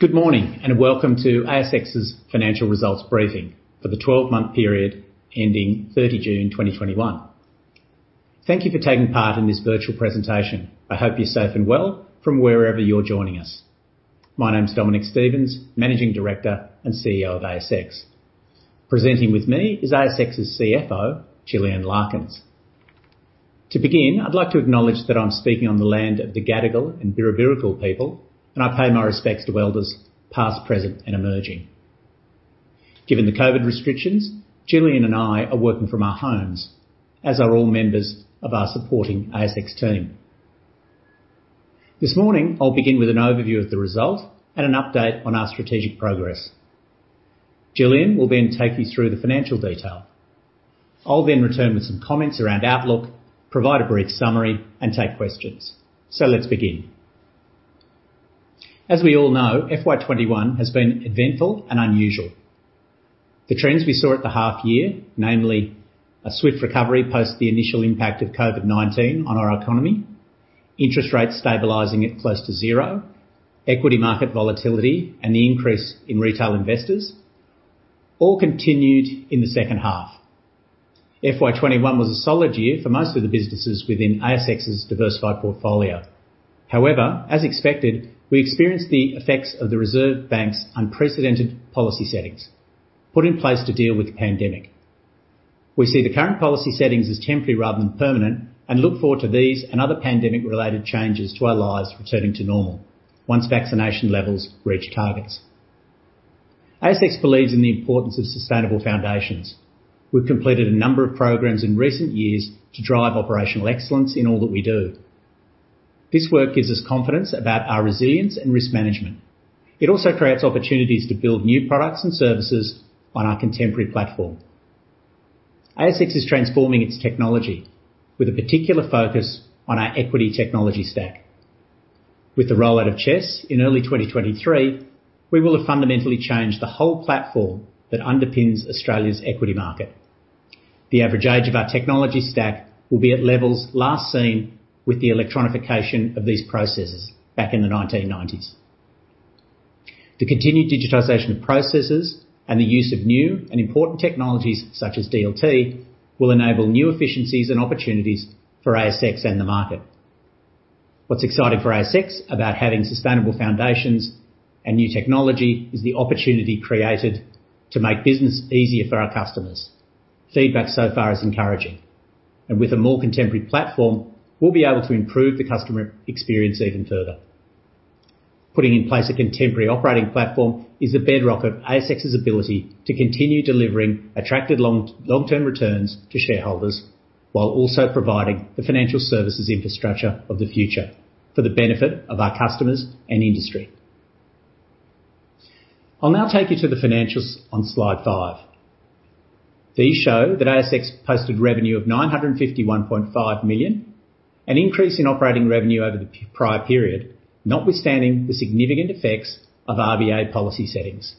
Good morning, welcome to ASX's financial results briefing for the 12-month period ending 30 June 2021. Thank you for taking part in this virtual presentation. I hope you're safe and well from wherever you're joining us. My name's Dominic Stevens, Managing Director and CEO of ASX. Presenting with me is ASX's CFO, Gillian Larkins. To begin, I'd like to acknowledge that I'm speaking on the land of the Gadigal and Birrabirragal people, and I pay my respects to elders past, present, and emerging. Given the COVID restrictions, Gillian and I are working from our homes, as are all members of our supporting ASX team. This morning, I'll begin with an overview of the result and an update on our strategic progress. Gillian will then take you through the financial detail. I'll then return with some comments around outlook, provide a brief summary, and take questions. Let's begin. As we all know, FY2021 has been eventful and unusual. The trends we saw at the half year, namely a swift recovery post the initial impact of COVID-19 on our economy, interest rates stabilizing at close to zero, equity market volatility, and the increase in retail investors, all continued in the second half. FY2021 was a solid year for most of the businesses within ASX's diversified portfolio. However, as expected, we experienced the effects of the Reserve Bank's unprecedented policy settings put in place to deal with the pandemic. We see the current policy settings as temporary rather than permanent and look forward to these and other pandemic-related changes to our lives returning to normal once vaccination levels reach targets. ASX believes in the importance of sustainable foundations. We've completed a number of programs in recent years to drive operational excellence in all that we do. This work gives us confidence about our resilience and risk management. It also creates opportunities to build new products and services on our contemporary platform. ASX is transforming its technology with a particular focus on our equity technology stack. With the rollout of CHESS in early 2023, we will have fundamentally changed the whole platform that underpins Australia's equity market. The average age of our technology stack will be at levels last seen with the electronification of these processes back in the 1990s. The continued digitization of processes and the use of new and important technologies such as DLT will enable new efficiencies and opportunities for ASX and the market. What's exciting for ASX about having sustainable foundations and new technology is the opportunity created to make business easier for our customers. Feedback so far is encouraging, and with a more contemporary platform, we'll be able to improve the customer experience even further. Putting in place a contemporary operating platform is the bedrock of ASX's ability to continue delivering attractive long-term returns to shareholders, while also providing the financial services infrastructure of the future for the benefit of our customers and industry. I'll now take you to the financials on slide five. These show that ASX posted revenue of 951.5 million, an increase in operating revenue over the prior period, notwithstanding the significant effects of RBA policy settings.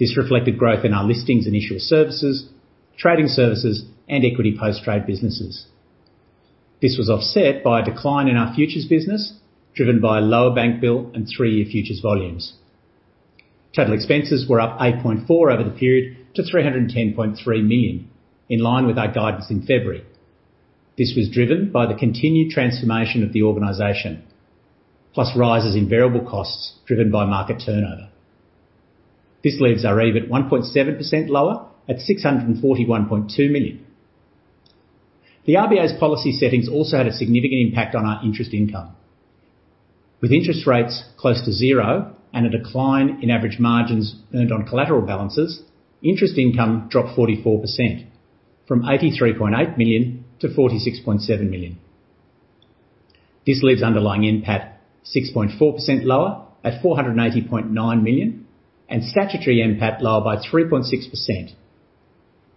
This reflected growth in our listings and issuer services, trading services, and equity post-trade businesses. This was offset by a decline in our futures business, driven by lower bank bill and three-year futures volumes. Total expenses were up 8.4% over the period to 310.3 million, in line with our guidance in February. This was driven by the continued transformation of the organization, plus rises in variable costs driven by market turnover. This leaves our EBIT at 1.7% lower at 641.2 million. The RBA's policy settings also had a significant impact on our interest income. With interest rates close to zero and a decline in average margins earned on collateral balances, interest income dropped 44%, from 83.8 million to 46.7 million. This leaves underlying NPAT 6.4% lower at 480.9 million and statutory NPAT lower by 3.6%.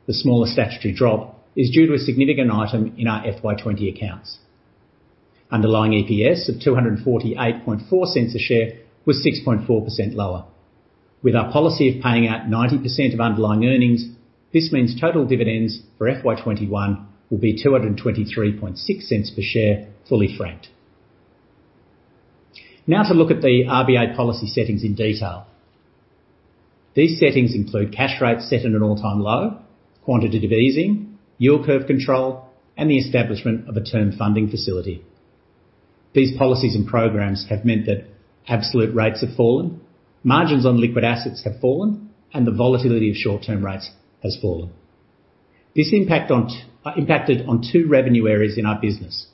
The smaller statutory drop is due to a significant item in our FY2020 accounts. Underlying EPS of 2.484 a share was 6.4% lower. With our policy of paying out 90% of underlying earnings, this means total dividends for FY2021 will be 2.236 per share, fully franked. To look at the RBA policy settings in detail. These settings include cash rates set at an all-time low, quantitative easing, yield curve control, and the establishment of a term funding facility. These policies and programs have meant that absolute rates have fallen, margins on liquid assets have fallen, and the volatility of short-term rates has fallen. This impacted on 2 revenue areas in our business.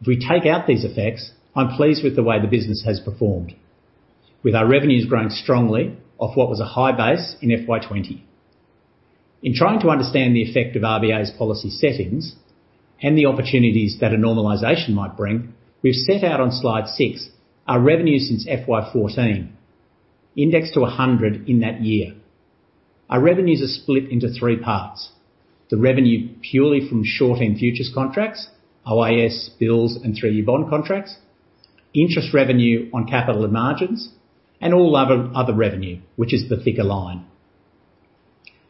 If we take out these effects, I'm pleased with the way the business has performed. With our revenues growing strongly off what was a high base in FY 2020. Trying to understand the effect of RBA's policy settings and the opportunities that a normalization might bring, we've set out on Slide 6 our revenue since FY 2014, indexed to 100 in that year. Our revenues are split into three parts. The revenue purely from short end futures contracts, OIS, bills, and 3-year bond contracts, interest revenue on capital and margins, and all other revenue, which is the thicker line.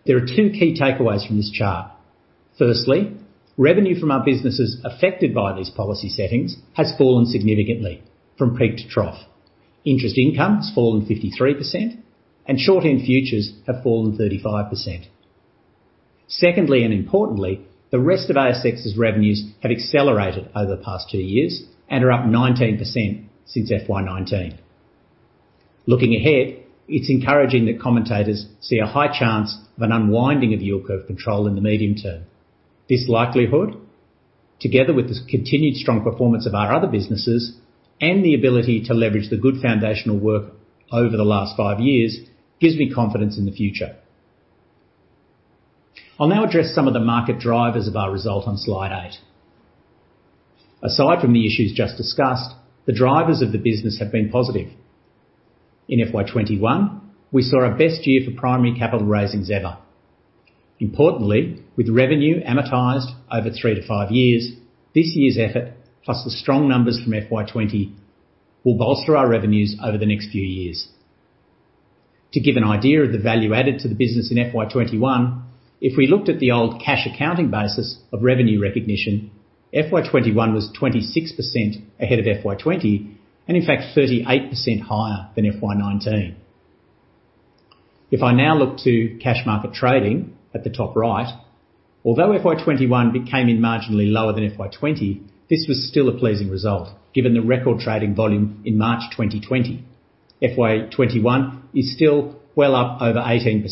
There are two key takeaways from this chart. Firstly, revenue from our businesses affected by these policy settings has fallen significantly from peak to trough. Interest income has fallen 53%, and short end futures have fallen 35%. Secondly, and importantly, the rest of ASX's revenues have accelerated over the past 2 years and are up 19% since FY2019. Looking ahead, it's encouraging that commentators see a high chance of an unwinding of yield curve control in the medium term. This likelihood, together with the continued strong performance of our other businesses and the ability to leverage the good foundational work over the last 5 years, gives me confidence in the future. I'll now address some of the market drivers of our result on slide eight. Aside from the issues just discussed, the drivers of the business have been positive. In FY2021, we saw our best year for primary capital raisings ever. Importantly, with revenue amortized over 3-5 years, this year's effort, plus the strong numbers from FY2020, will bolster our revenues over the next few years. To give an idea of the value added to the business in FY2021, if we looked at the old cash accounting basis of revenue recognition, FY2021 was 26% ahead of FY2020, and in fact 38% higher than FY2019. I now look to cash market trading at the top right, although FY2021 came in marginally lower than FY2020, this was still a pleasing result given the record trading volume in March 2020. FY2021 is still well up over 18%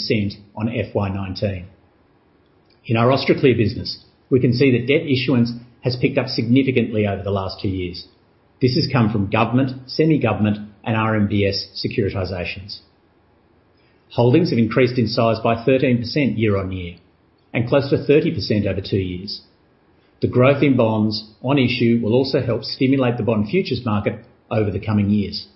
on FY2019. In our Austraclear business, we can see that debt issuance has picked up significantly over the last two years. This has come from government, semi-government, and RMBS securitizations. Holdings have increased in size by 13% year-on-year, and close to 30% over two years. The growth in bonds on issue will also help stimulate the bond futures market over the coming years.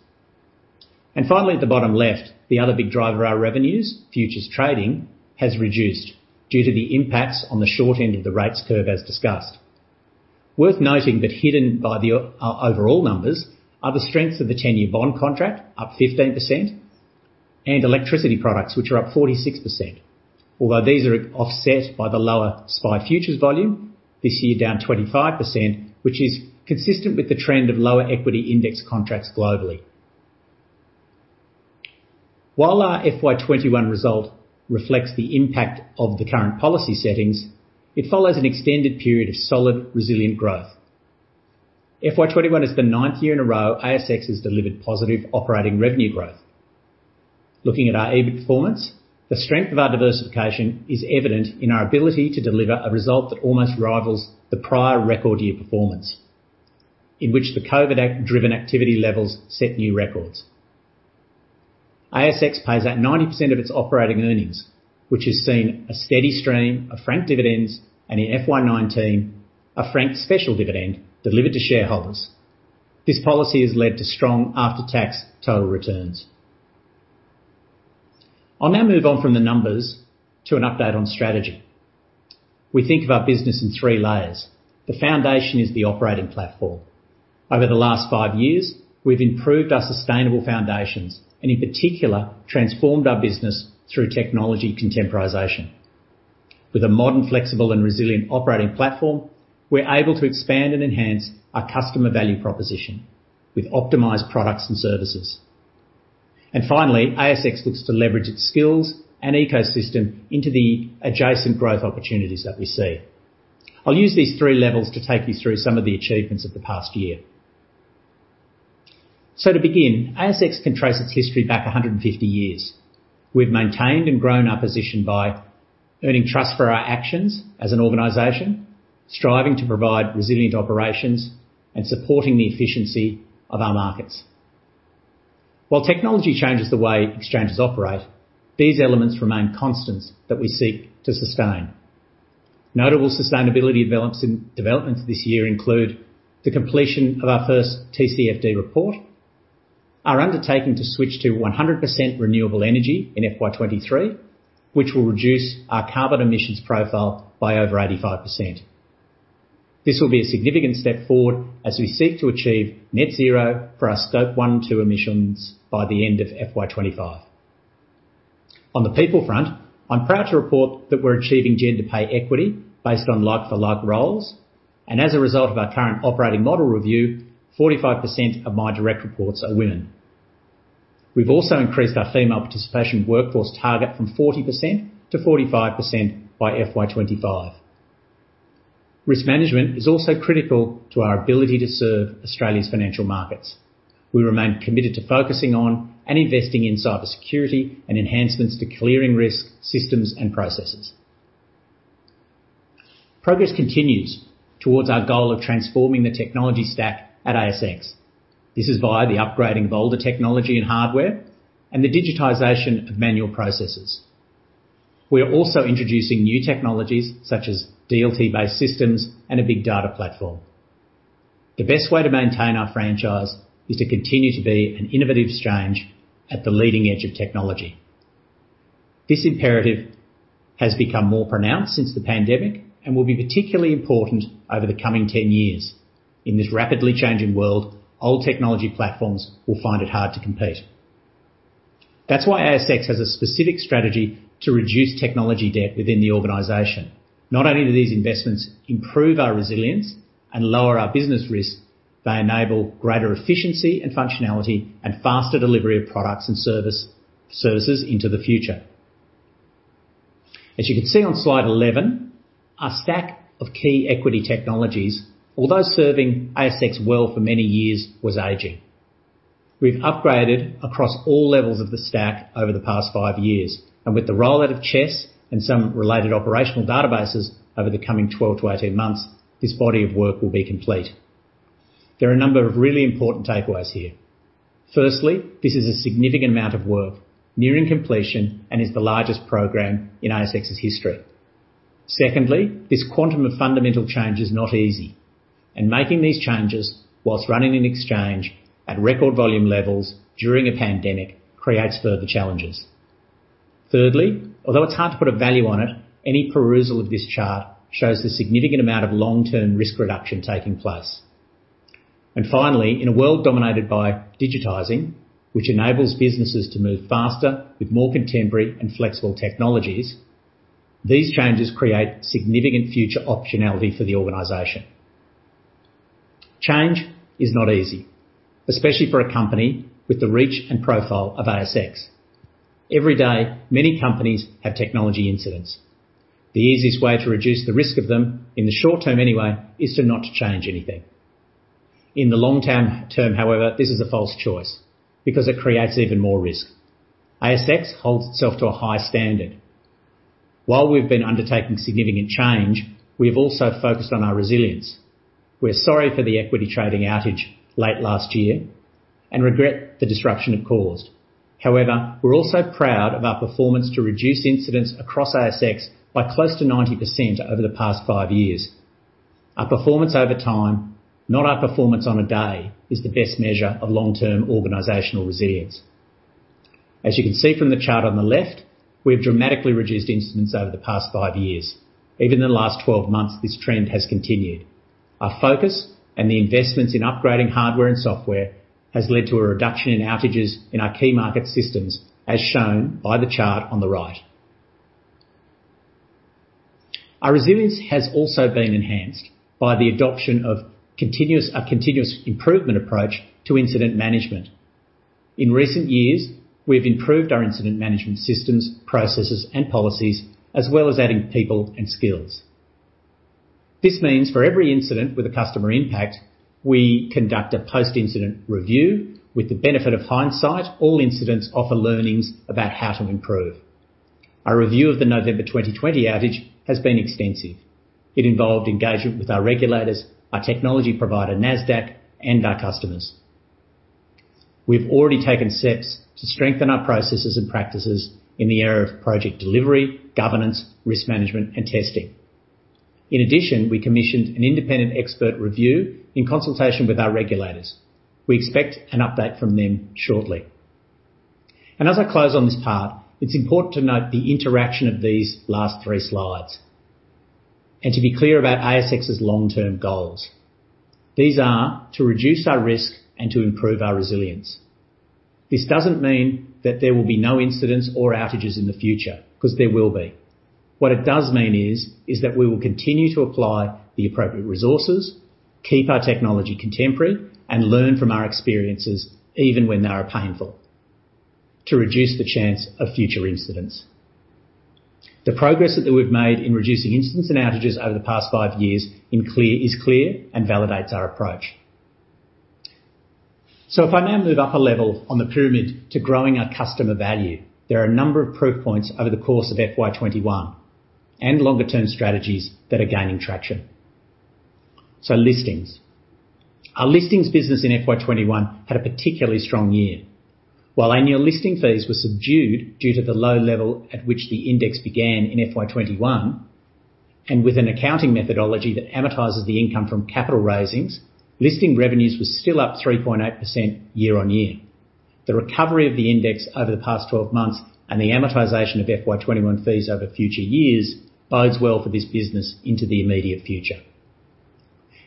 Finally, at the bottom left, the other big driver of our revenues, futures trading, has reduced due to the impacts on the short end of the rates curve, as discussed. Worth noting that hidden by our overall numbers are the strengths of the 10-year bond contract, up 15%, and electricity products, which are up 46%. Although these are offset by the lower SPI futures volume, this year down 25%, which is consistent with the trend of lower equity index contracts globally. While our FY2021 result reflects the impact of the current policy settings, it follows an extended period of solid, resilient growth. FY2021 is the nineth year in a row ASX has delivered positive operating revenue growth. Looking at our EBIT performance, the strength of our diversification is evident in our ability to deliver a result that almost rivals the prior record year performance, in which the COVID-driven activity levels set new records. ASX pays out 90% of its operating earnings, which has seen a steady stream of franked dividends, and in FY2019, a franked special dividend delivered to shareholders. This policy has led to strong after-tax total returns. I'll now move on from the numbers to an update on strategy. We think of our business in three layers. The foundation is the operating platform. Over the last 5 years, we've improved our sustainable foundations, in particular, transformed our business through technology contemporization. With a modern, flexible, and resilient operating platform, we're able to expand and enhance our customer value proposition with optimized products and services. Finally, ASX looks to leverage its skills and ecosystem into the adjacent growth opportunities that we see. I'll use these three levels to take you through some of the achievements of the past year. To begin, ASX can trace its history back 150 years. We've maintained and grown our position by earning trust for our actions as an organization, striving to provide resilient operations, and supporting the efficiency of our markets. While technology changes the way exchanges operate, these elements remain constants that we seek to sustain. Notable sustainability developments this year include the completion of our first TCFD report, our undertaking to switch to 100% renewable energy in FY2023, which will reduce our carbon emissions profile by over 85%. This will be a significant step forward as we seek to achieve net zero for our scope one and two emissions by the end of FY2025. On the people front, I'm proud to report that we're achieving gender pay equity based on like-for-like roles. As a result of our current operating model review, 45% of my direct reports are women. We've also increased our female participation workforce target from 40%-45% by FY2025. Risk management is also critical to our ability to serve Australia's financial markets. We remain committed to focusing on and investing in cybersecurity and enhancements to clearing risk systems and processes. Progress continues towards our goal of transforming the technology stack at ASX. This is via the upgrading bolder technology and hardware and the digitization of manual processes. We are also introducing new technologies such as DLT-based systems and a big data platform. The best way to maintain our franchise is to continue to be an innovative exchange at the leading edge of technology. This imperative has become more pronounced since the pandemic and will be particularly important over the coming 10 years. In this rapidly changing world, old technology platforms will find it hard to compete. That's why ASX has a specific strategy to reduce technology debt within the organization. Not only do these investments improve our resilience and lower our business risk, they enable greater efficiency and functionality and faster delivery of products and services into the future. As you can see on slide 11, our stack of key equity technologies, although serving ASX well for many years, was aging. We've upgraded across all levels of the stack over the past 5 years, and with the rollout of CHESS and some related operational databases over the coming 12 to 18 months, this body of work will be complete. There are a number of really important takeaways here. Firstly, this is a significant amount of work nearing completion and is the largest program in ASX's history. Secondly, this quantum of fundamental change is not easy, and making these changes whilst running an exchange at record volume levels during a pandemic creates further challenges. Thirdly, although it's hard to put a value on it, any perusal of this chart shows the significant amount of long-term risk reduction taking place. Finally, in a world dominated by digitizing, which enables businesses to move faster with more contemporary and flexible technologies, these changes create significant future optionality for the organization. Change is not easy, especially for a company with the reach and profile of ASX. Every day, many companies have technology incidents. The easiest way to reduce the risk of them, in the short term anyway, is to not change anything. In the long-term, however, this is a false choice because it creates even more risk. ASX holds itself to a high standard. While we've been undertaking significant change, we've also focused on our resilience. We're sorry for the equity trading outage late last year and regret the disruption it caused. We're also proud of our performance to reduce incidents across ASX by close to 90% over the past 5 years. Our performance over time, not our performance on a day, is the best measure of long-term organizational resilience. As you can see from the chart on the left, we've dramatically reduced incidents over the past 5 years. Even in the last 12 months, this trend has continued. Our focus and the investments in upgrading hardware and software has led to a reduction in outages in our key market systems, as shown by the chart on the right. Our resilience has also been enhanced by the adoption of a continuous improvement approach to incident management. In recent years, we've improved our incident management systems, processes, and policies, as well as adding people and skills. This means for every incident with a customer impact, we conduct a post-incident review. With the benefit of hindsight, all incidents offer learnings about how to improve. Our review of the November 2020 outage has been extensive. It involved engagement with our regulators, our technology provider, Nasdaq, and our customers. We've already taken steps to strengthen our processes and practices in the area of project delivery, governance, risk management, and testing. We commissioned an independent expert review in consultation with our regulators. We expect an update from them shortly. As I close on this part, it's important to note the interaction of these last three slides and to be clear about ASX's long-term goals. These are to reduce our risk and to improve our resilience. This doesn't mean that there will be no incidents or outages in the future, because there will be. What it does mean is that we will continue to apply the appropriate resources, keep our technology contemporary, and learn from our experiences, even when they are painful, to reduce the chance of future incidents. The progress that we've made in reducing incidents and outages over the past 5 years is clear and validates our approach. If I now move up 1 level on the pyramid to growing our customer value, there are a number of proof points over the course of FY2021 and longer-term strategies that are gaining traction. Listings. Our listings business in FY2021 had a particularly strong year. While annual listing fees were subdued due to the low level at which the index began in FY2021, and with an accounting methodology that amortizes the income from capital raisings, listing revenues were still up 3.8% year-on-year. The recovery of the index over the past 12 months and the amortization of FY2021 fees over future years bodes well for this business into the immediate future.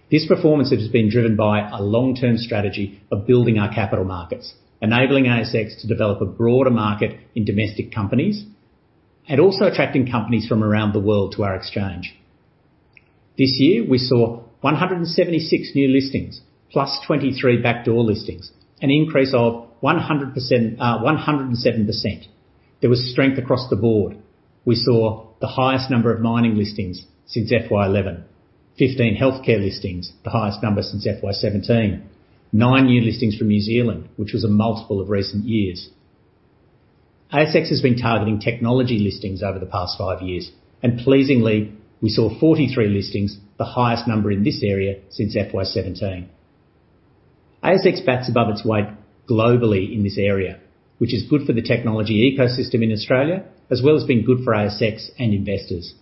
This performance has been driven by a long-term strategy of building our capital markets, enabling ASX to develop a broader market in domestic companies, and also attracting companies from around the world to our exchange. This year, we saw 176 new listings +23 backdoor listings, an increase of 107%. There was strength across the board. We saw the highest number of mining listings since FY2011, 15 healthcare listings, the highest number since FY2017, 9 new listings from New Zealand, which was a multiple of recent years. ASX has been targeting technology listings over the past 5 years, and pleasingly, we saw 43 listings, the highest number in this area since FY2017. ASX bats above its weight globally in this area, which is good for the technology ecosystem in Australia, as well as being good for ASX and investors.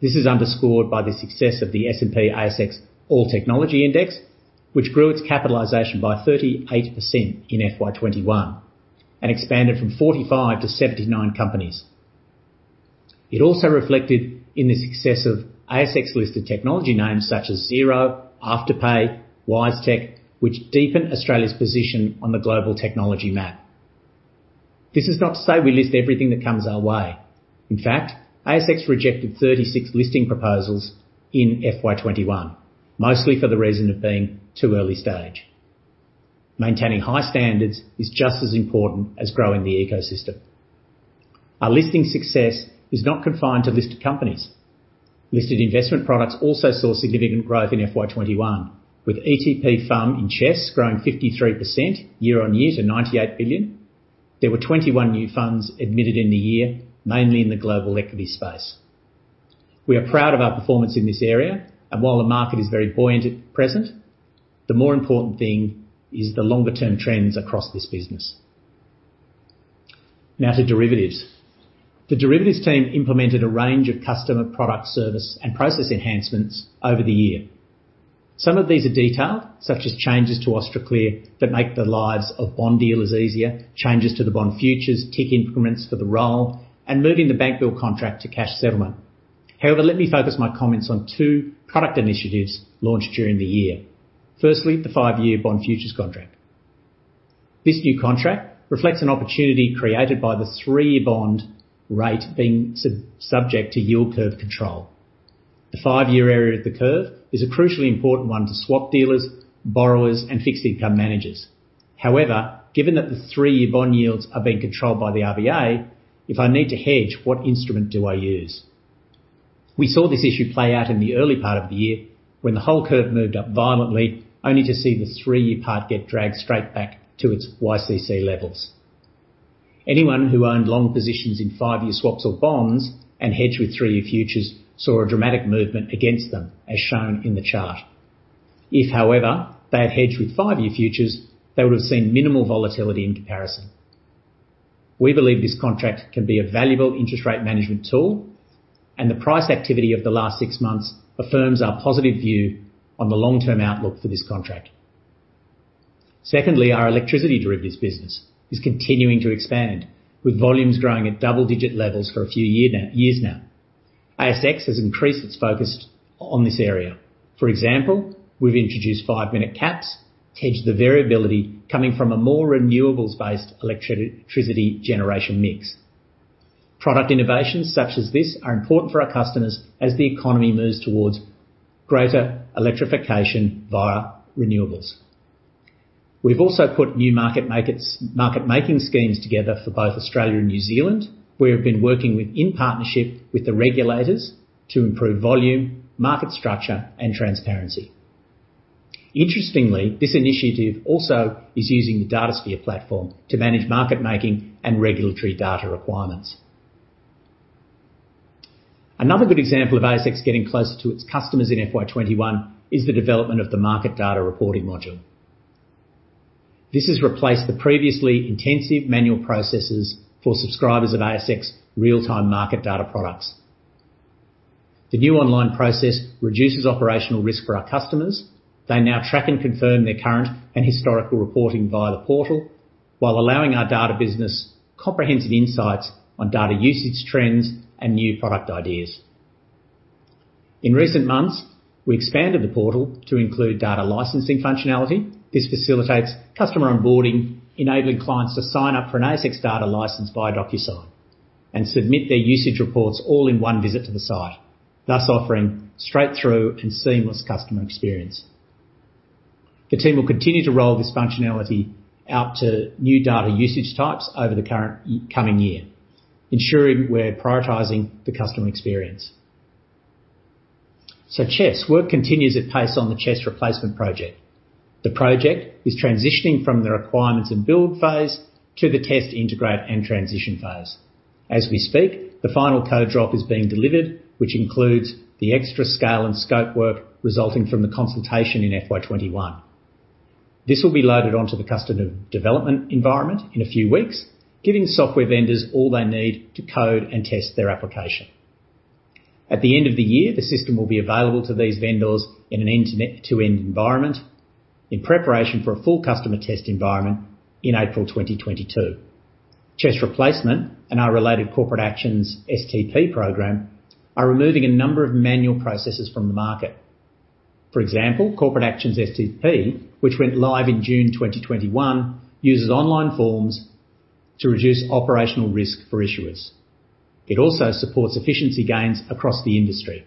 This is underscored by the success of the S&P/ASX All Technology Index, which grew its capitalization by 38% in FY2021 and expanded from 45 to 79 companies. It also reflected in the success of ASX-listed technology names such as Xero, Afterpay, WiseTech, which deepen Australia's position on the global technology map. This is not to say we list everything that comes our way. In fact, ASX rejected 36 listing proposals in FY2021, mostly for the reason of being too early stage. Maintaining high standards is just as important as growing the ecosystem. Our listing success is not confined to listed companies. Listed investment products also saw significant growth in FY2021, with ETP FUM in CHESS growing 53% year-on-year to 98 billion. There were 21 new funds admitted in the year, mainly in the global equity space. We are proud of our performance in this area, and while the market is very buoyant at present, the more important thing is the longer-term trends across this business. Now to derivatives. The derivatives team implemented a range of customer product service and process enhancements over the year. Some of these are detailed, such as changes to Austraclear that make the lives of bond dealers easier, changes to the bond futures tick increments for the roll, and moving the bank bill contract to cash settlement. However, let me focus my comments on two product initiatives launched during the year. Firstly, the five-year bond futures contract. This new contract reflects an opportunity created by the three-year bond rate being subject to yield curve control. The five-year area of the curve is a crucially important one to swap dealers, borrowers, and fixed income managers. Given that the three-year bond yields are being controlled by the RBA, if I need to hedge, what instrument do I use? We saw this issue play out in the early part of the year, when the whole curve moved up violently, only to see the three-year part get dragged straight back to its YCC levels. Anyone who owned long positions in 5-year swaps or bonds and hedged with three-year futures, saw a dramatic movement against them, as shown in the chart. If, however, they had hedged with 5-year futures, they would have seen minimal volatility in comparison. We believe this contract can be a valuable interest rate management tool, and the price activity of the last 6 months affirms our positive view on the long-term outlook for this contract. Our electricity derivatives business is continuing to expand, with volumes growing at double-digit levels for a few years now. ASX has increased its focus on this area. For example, we've introduced five-minute caps to hedge the variability coming from a more renewables-based electricity generation mix. Product innovations such as this are important for our customers as the economy moves towards greater electrification via renewables. We've also put new market-making schemes together for both Australia and New Zealand. We have been working in partnership with the regulators to improve volume, market structure, and transparency. Interestingly, this initiative also is using the DataSphere platform to manage market-making and regulatory data requirements. Another good example of ASX getting closer to its customers in FY2021 is the development of the market data reporting module. This has replaced the previously intensive manual processes for subscribers of ASX real-time market data products. The new online process reduces operational risk for our customers. They now track and confirm their current and historical reporting via the portal, while allowing our data business comprehensive insights on data usage trends and new product ideas. In recent months, we expanded the portal to include data licensing functionality. This facilitates customer onboarding, enabling clients to sign up for an ASX data license via DocuSign, and submit their usage reports all in one visit to the site, thus offering straight-through and seamless customer experience. The team will continue to roll this functionality out to new data usage types over the coming year, ensuring we're prioritizing the customer experience. CHESS. Work continues at pace on the CHESS replacement project. The project is transitioning from the requirements and build phase to the test, integrate, and transition phase. As we speak, the final code drop is being delivered, which includes the extra scale and scope work resulting from the consultation in FY2021. This will be loaded onto the customer development environment in a few weeks, giving software vendors all they need to code and test their application. At the end of the year, the system will be available to these vendors in an end-to-end environment in preparation for a full customer test environment in April 2022. CHESS replacement and our related corporate actions STP Program are removing a number of manual processes from the market. For example, corporate actions STP, which went live in June 2021, uses online forms to reduce operational risk for issuers. It also supports efficiency gains across the industry,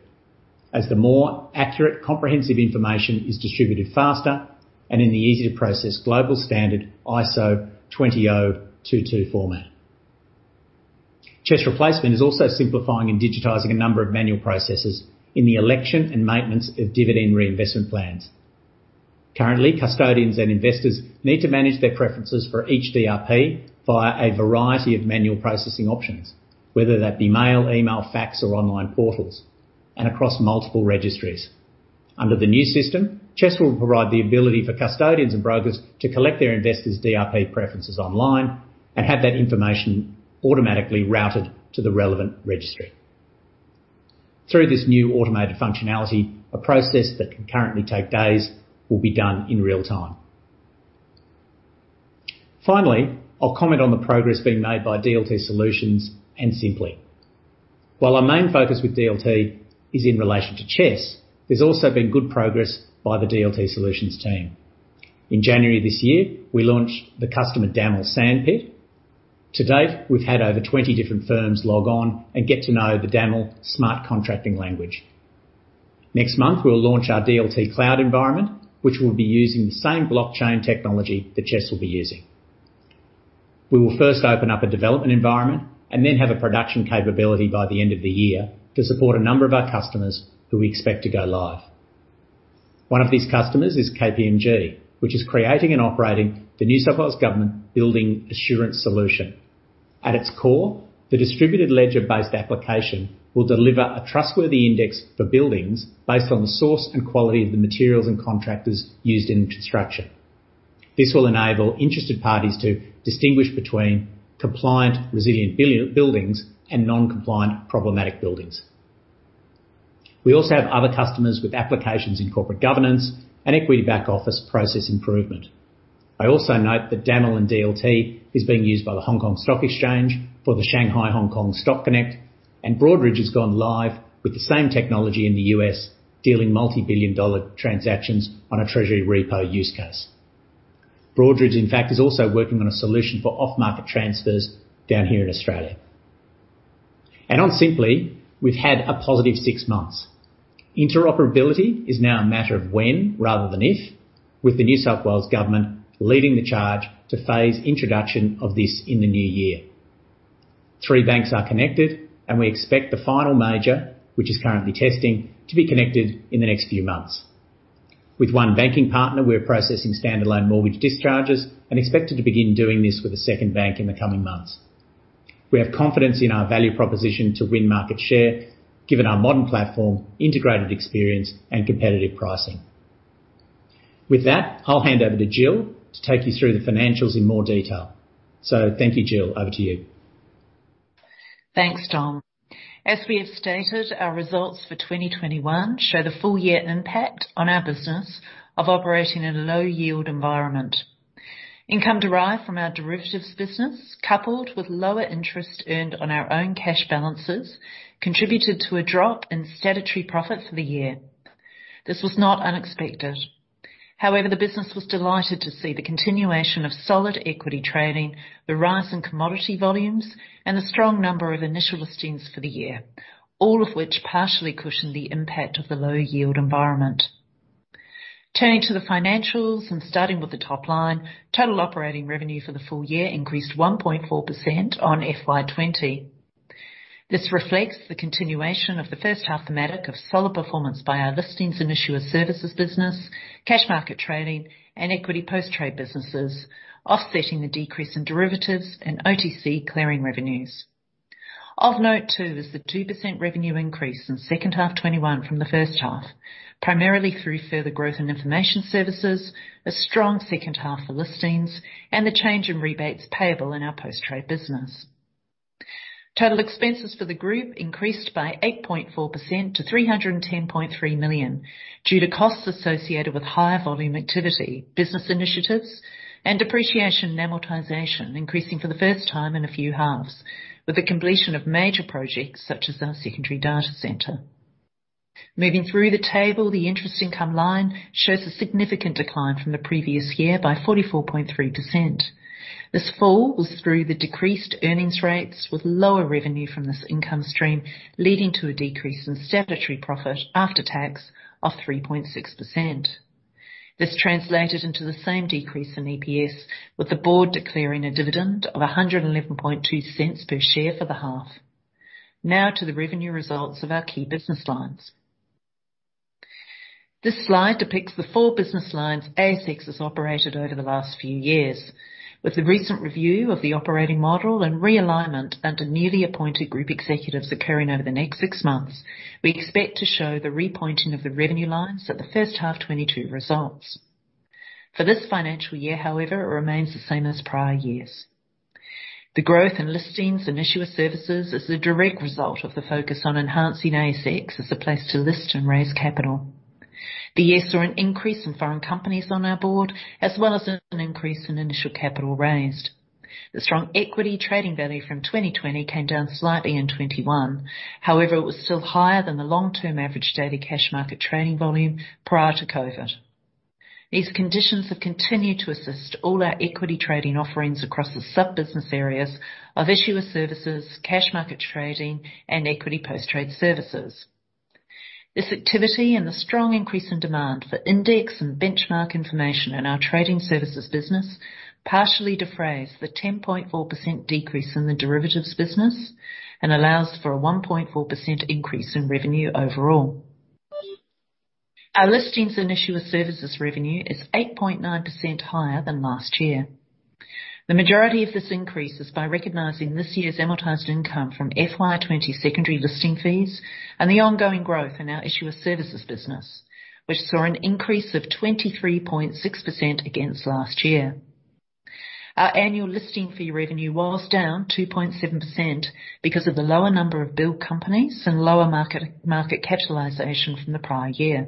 as the more accurate, comprehensive information is distributed faster and in the easy-to-process global standard ISO 20022 format. CHESS replacement is also simplifying and digitizing a number of manual processes in the election and maintenance of dividend reinvestment plans. Currently, custodians and investors need to manage their preferences for each DRP via a variety of manual processing options, whether that be mail, email, fax, or online portals, and across multiple registries. Under the new system, CHESS will provide the ability for custodians and brokers to collect their investors' DRP preferences online and have that information automatically routed to the relevant registry. Through this new automated functionality, a process that can currently take days will be done in real time. I'll comment on the progress being made by DLT Solutions and Sympli. Our main focus with DLT is in relation to CHESS, there's also been good progress by the DLT Solutions team. In January this year, we launched the customer Daml Sandpit. To date, we've had over 20 different firms log on and get to know the Daml smart contracting language. Next month, we'll launch our DLT cloud environment, which will be using the same blockchain technology that CHESS will be using. We will first open up a development environment and then have a production capability by the end of the year to support a number of our customers who we expect to go live. One of these customers is KPMG, which is creating and operating the New South Wales Government Building Assurance Solution. At its core, the distributed ledger-based application will deliver a trustworthy index for buildings based on the source and quality of the materials and contractors used in the construction. This will enable interested parties to distinguish between compliant, resilient buildings and non-compliant, problematic buildings. We also have other customers with applications in corporate governance and equity back office process improvement. I also note that Daml and DLT is being used by the Hong Kong Stock Exchange for the Shanghai-Hong Kong Stock Connect, and Broadridge has gone live with the same technology in the U.S., dealing multi-billion dollar transactions on a treasury repo use case. Broadridge, in fact, is also working on a solution for off-market transfers down here in Australia. On Sympli, we've had a positive six months. Interoperability is now a matter of when rather than if, with the New South Wales Government leading the charge to phase introduction of this in the new year. Three banks are connected, and we expect the final major, which is currently testing, to be connected in the next few months. With one banking partner, we're processing standalone mortgage discharges and expected to begin doing this with a second bank in the coming months. We have confidence in our value proposition to win market share given our modern platform, integrated experience, and competitive pricing. With that, I'll hand over to Gill to take you through the financials in more detail. Thank you, Gill. Over to you. Thanks, Dom. As we have stated, our results for 2021 show the full year impact on our business of operating in a low-yield environment. Income derived from our derivatives business, coupled with lower interest earned on our own cash balances, contributed to a drop in statutory profit for the year. This was not unexpected. However, the business was delighted to see the continuation of solid equity trading, the rise in commodity volumes, and the strong number of initial listings for the year, all of which partially cushioned the impact of the low-yield environment. Turning to the financials and starting with the top line, total operating revenue for the full year increased 1.4% on FY2020. This reflects the continuation of the first half thematic of solid performance by our listings and issuer services business, cash market trading, and equity post-trade businesses, offsetting the decrease in derivatives and OTC clearing revenues. Of note too is the 2% revenue increase in second half 2021 from the first half, primarily through further growth in information services, a strong second half for listings, and the change in rebates payable in our post-trade business. Total expenses for the group increased by 8.4% to 310.3 million due to costs associated with higher volume activity, business initiatives, and Depreciation and Amortisation increasing for the first time in a few halves, with the completion of major projects such as our secondary data center. Moving through the table, the interest income line shows a significant decline from the previous year by 44.3%. This fall was through the decreased earnings rates, with lower revenue from this income stream leading to a decrease in statutory profit after tax of 3.6%. This translated into the same decrease in EPS, with the board declaring a dividend of 1.112 per share for the half. To the revenue results of our key business lines. This slide depicts the four business lines ASX has operated over the last few years. With the recent review of the operating model and realignment under newly appointed group executives occurring over the next six months, we expect to show the repointing of the revenue lines at the first half 2022 results. For this financial year, however, it remains the same as prior years. The growth in listings and issuer services is the direct result of the focus on enhancing ASX as the place to list and raise capital. The year saw an increase in foreign companies on our board, as well as an increase in initial capital raised. The strong equity trading value from 2020 came down slightly in 2021. It was still higher than the long-term average daily cash market trading volume prior to COVID. These conditions have continued to assist all our equity trading offerings across the sub-business areas of issuer services, cash market trading, and equity post-trade services. This activity and the strong increase in demand for index and benchmark information in our trading services business partially defrays the 10.4% decrease in the derivatives business and allows for a 1.4% increase in revenue overall. Our listings and issuer services revenue is 8.9% higher than last year. The majority of this increase is by recognizing this year's amortized income from FY2020 secondary listing fees and the ongoing growth in our issuer services business, which saw an increase of 23.6% against last year. Our annual listing fee revenue was down 2.7% because of the lower number of billed companies and lower market capitalization from the prior year.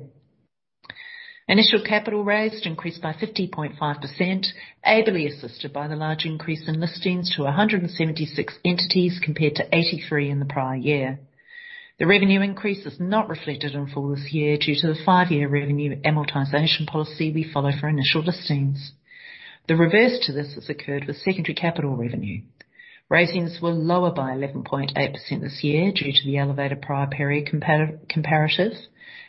Initial capital raised increased by 50.5%, ably assisted by the large increase in listings to 176 entities compared to 83 in the prior year. The revenue increase is not reflected in full this year due to the five-year revenue amortization policy we follow for initial listings. The reverse to this has occurred with secondary capital revenue. Raisings were lower by 11.8% this year due to the elevated prior period comparatives.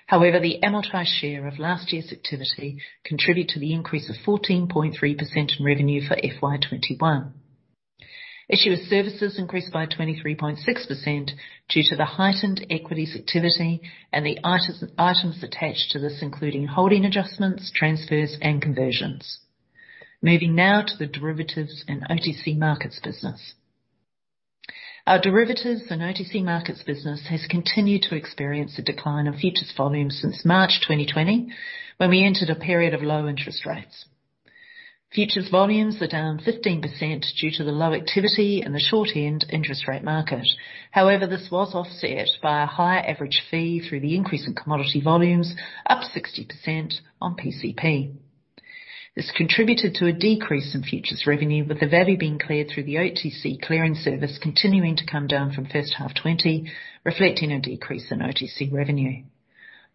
However, the amortized share of last year's activity contributed to the increase of 14.3% in revenue for FY2021. Issuer services increased by 23.6% due to the heightened equities activity and the items attached to this, including holding adjustments, transfers, and conversions. Moving now to the derivatives and OTC markets business. Our derivatives and OTC markets business has continued to experience a decline in futures volumes since March 2020, when we entered a period of low interest rates. Futures volumes are down 15% due to the low activity in the short-end interest rate market. However, this was offset by a higher average fee through the increase in commodity volumes, up 60% on PCP. This contributed to a decrease in futures revenue, with the value being cleared through the OTC clearing service continuing to come down from first half 2020, reflecting a decrease in OTC revenue.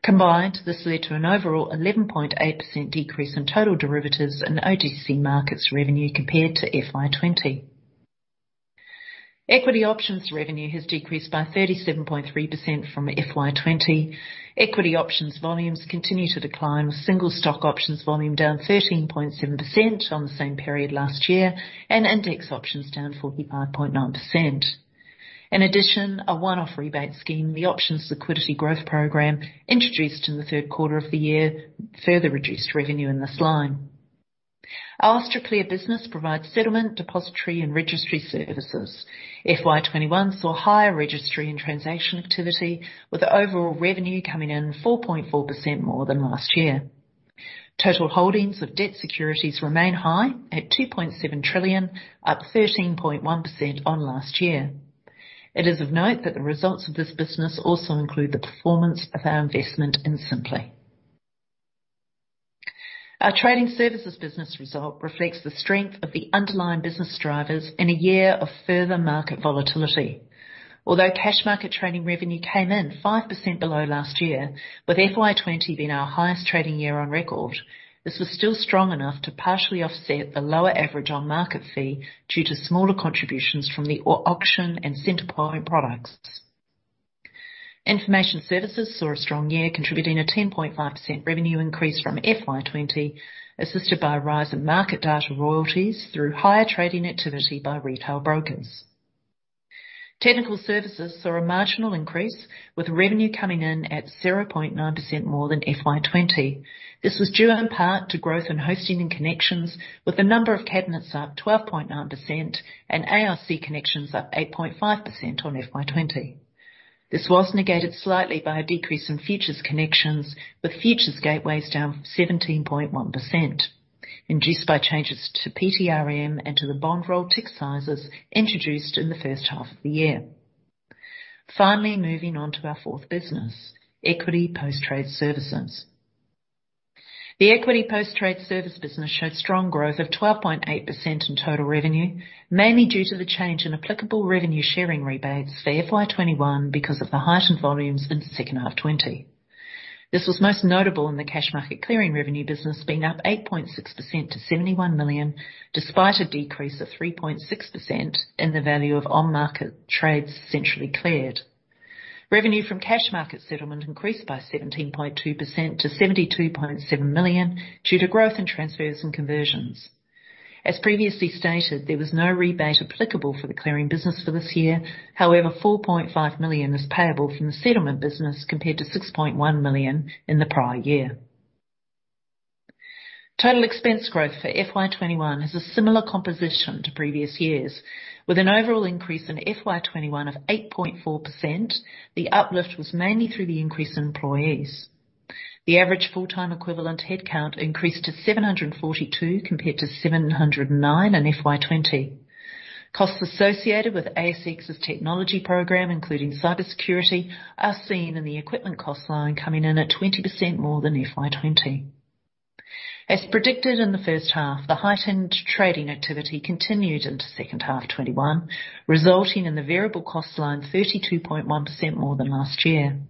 Combined, this led to an overall 11.8% decrease in total derivatives and OTC markets revenue compared to FY2020. Equity options revenue has decreased by 37.3% from FY2020. Equity options volumes continue to decline, with single stock options volume down 13.7% on the same period last year, and index options down 45.9%. In addition, a one-off rebate scheme, the Options Liquidity Growth Program, introduced in the third quarter of the year, further reduced revenue in this line. Our Austraclear business provides settlement, depository, and registry services. FY2021 saw higher registry and transaction activity, with the overall revenue coming in 4.4% more than last year. Total holdings of debt securities remain high at 2.7 trillion, up 13.1% on last year. It is of note that the results of this business also include the performance of our investment in Sympli. Our trading services business result reflects the strength of the underlying business drivers in a year of further market volatility. Although cash market trading revenue came in 5% below last year, with FY2020 being our highest trading year on record, this was still strong enough to partially offset the lower average on-market fee due to smaller contributions from the auction and Centre Point products. Information services saw a strong year, contributing a 10.5% revenue increase from FY2020, assisted by a rise in market data royalties through higher trading activity by retail brokers. Technical services saw a marginal increase, with revenue coming in at 0.9% more than FY2020. This was due in part to growth in hosting and connections, with the number of cabinets up 12.9% and ALC connections up 8.5% on FY2020. This was negated slightly by a decrease in futures connections, with futures gateways down 17.1%, induced by changes to PTRM and to the bond roll tick sizes introduced in the first half of the year. Moving on to our fourth business, equity post-trade services. The equity post-trade service business showed strong growth of 12.8% in total revenue, mainly due to the change in applicable revenue sharing rebates for FY2021 because of the heightened volumes in the second half 2020. This was most notable in the cash market clearing revenue business, being up 8.6% to 71 million, despite a decrease of 3.6% in the value of on-market trades centrally cleared. Revenue from cash market settlement increased by 17.2% to 72.7 million due to growth in transfers and conversions. As previously stated, there was no rebate applicable for the clearing business for this year. 4.5 million is payable from the settlement business compared to 6.1 million in the prior year. Total expense growth for FY2021 has a similar composition to previous years, with an overall increase in FY2021 of 8.4%. The uplift was mainly through the increase in employees. The average full-time equivalent headcount increased to 742 compared to 709 in FY2020. Costs associated with ASX's technology program, including cybersecurity, are seen in the equipment cost line coming in at 20% more than FY2020. As predicted in the first half, the heightened trading activity continued into second half 2021, resulting in the variable cost line 32.1% more than last year.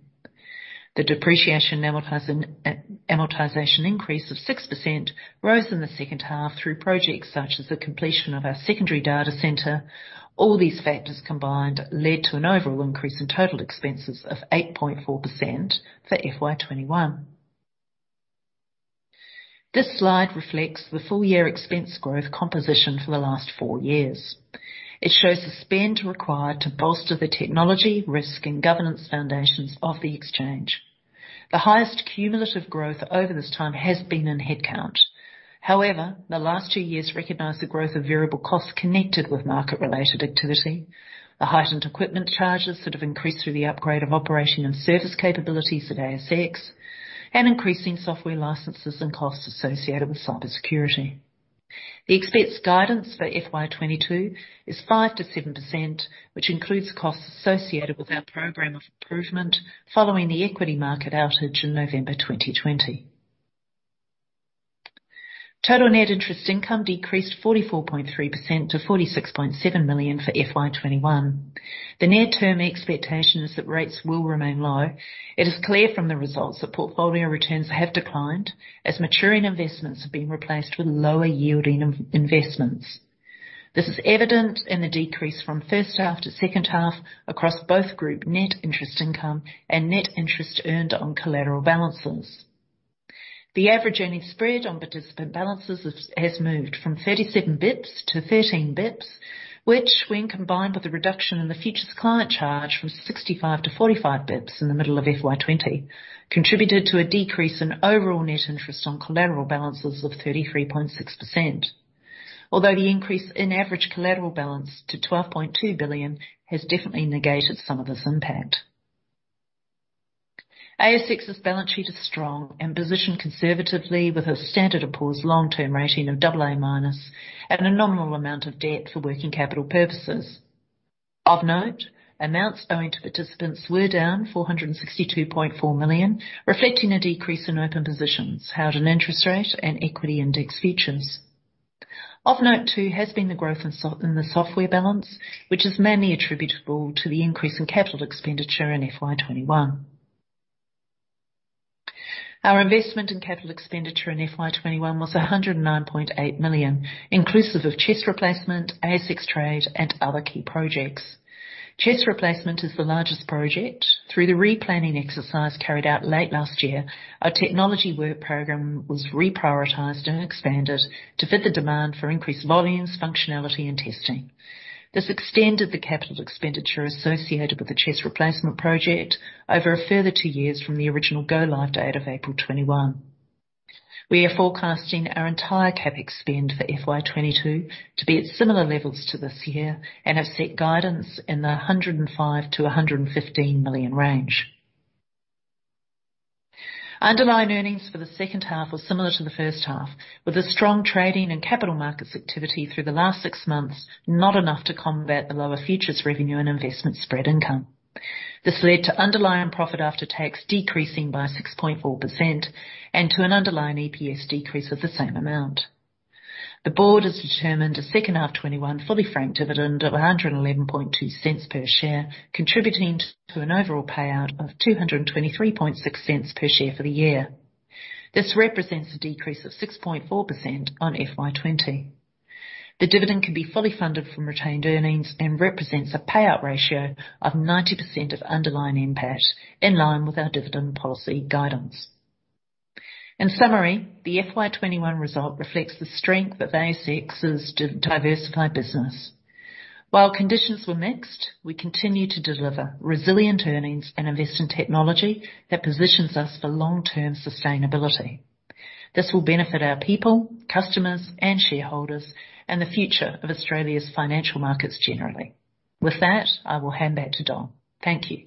The depreciation and amortization increase of 6% rose in the second half through projects such as the completion of our secondary data center. All these factors combined led to an overall increase in total expenses of 8.4% for FY2021. This slide reflects the full-year expense growth composition for the last four years. It shows the spend required to bolster the technology, risk, and governance foundations of the exchange. The highest cumulative growth over this time has been in headcount. The last 2 years recognize the growth of variable costs connected with market-related activity, the heightened equipment charges that have increased through the upgrade of operation and service capabilities at ASX, and increasing software licenses and costs associated with cybersecurity. The expense guidance for FY2022 is 5%-7%, which includes costs associated with our program of improvement following the equity market outage in November 2020. Total net interest income decreased 44.3% to 46.7 million for FY2021. The near-term expectation is that rates will remain low. It is clear from the results that portfolio returns have declined as maturing investments have been replaced with lower yielding investments. This is evident in the decrease from first half to second half across both group net interest income and net interest earned on collateral balances. The average earning spread on participant balances has moved from 37 basis points to 13 basis points, which when combined with the reduction in the futures client charge from 65 basis points to 45 basis points in the middle of FY2020, contributed to a decrease in overall net interest on collateral balances of 33.6%. Although the increase in average collateral balance to 12.2 billion has definitely negated some of this impact. ASX's balance sheet is strong and positioned conservatively with a Standard & Poor's long-term rating of AA-, and a nominal amount of debt for working capital purposes. Of note, amounts owing to participants were down 462.4 million, reflecting a decrease in open positions held in interest rate and equity index futures. Of note too, has been the growth in the software balance, which is mainly attributable to the increase in capital expenditure in FY2021. Our investment in capital expenditure in FY2021 was 109.8 million, inclusive of CHESS replacement, ASX Trade, and other key projects. CHESS replacement is the largest project. Through the replanning exercise carried out late last year, our technology work program was reprioritized and expanded to fit the demand for increased volumes, functionality, and testing. This extended the capital expenditure associated with the CHESS replacement project over a further two years from the original go-live date of April 2021. We are forecasting our entire CapEx spend for FY2022 to be at similar levels to this year, and have set guidance in the 105 million-115 million range. Underlying earnings for the second half were similar to the first half, with the strong trading and capital markets activity through the last 6 months, not enough to combat the lower futures revenue and investment spread income. This led to underlying profit after tax decreasing by 6.4%, and to an underlying EPS decrease of the same amount. The board has determined a second half 2021 fully franked dividend of 1.112 per share, contributing to an overall payout of 2.236 per share for the year. This represents a decrease of 6.4% on FY2020. The dividend can be fully funded from retained earnings and represents a payout ratio of 90% of underlying NPAT, in line with our dividend policy guidance. In summary, the FY2021 result reflects the strength of ASX's diversified business. Conditions were mixed, we continue to deliver resilient earnings and invest in technology that positions us for long-term sustainability. This will benefit our people, customers, and shareholders, and the future of Australia's financial markets generally. I will hand back to Dom. Thank you.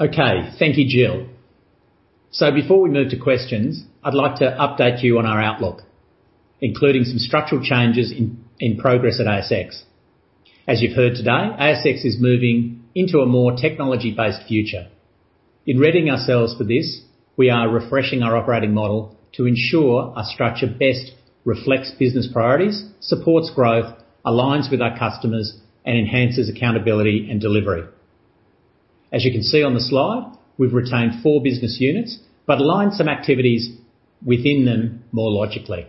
Okay. Thank you, Gill. Before we move to questions, I'd like to update you on our outlook, including some structural changes in progress at ASX. As you've heard today, ASX is moving into a more technology-based future. In readying ourselves for this, we are refreshing our operating model to ensure our structure best reflects business priorities, supports growth, aligns with our customers, and enhances accountability and delivery. As you can see on the slide, we've retained four business units, but aligned some activities within them more logically.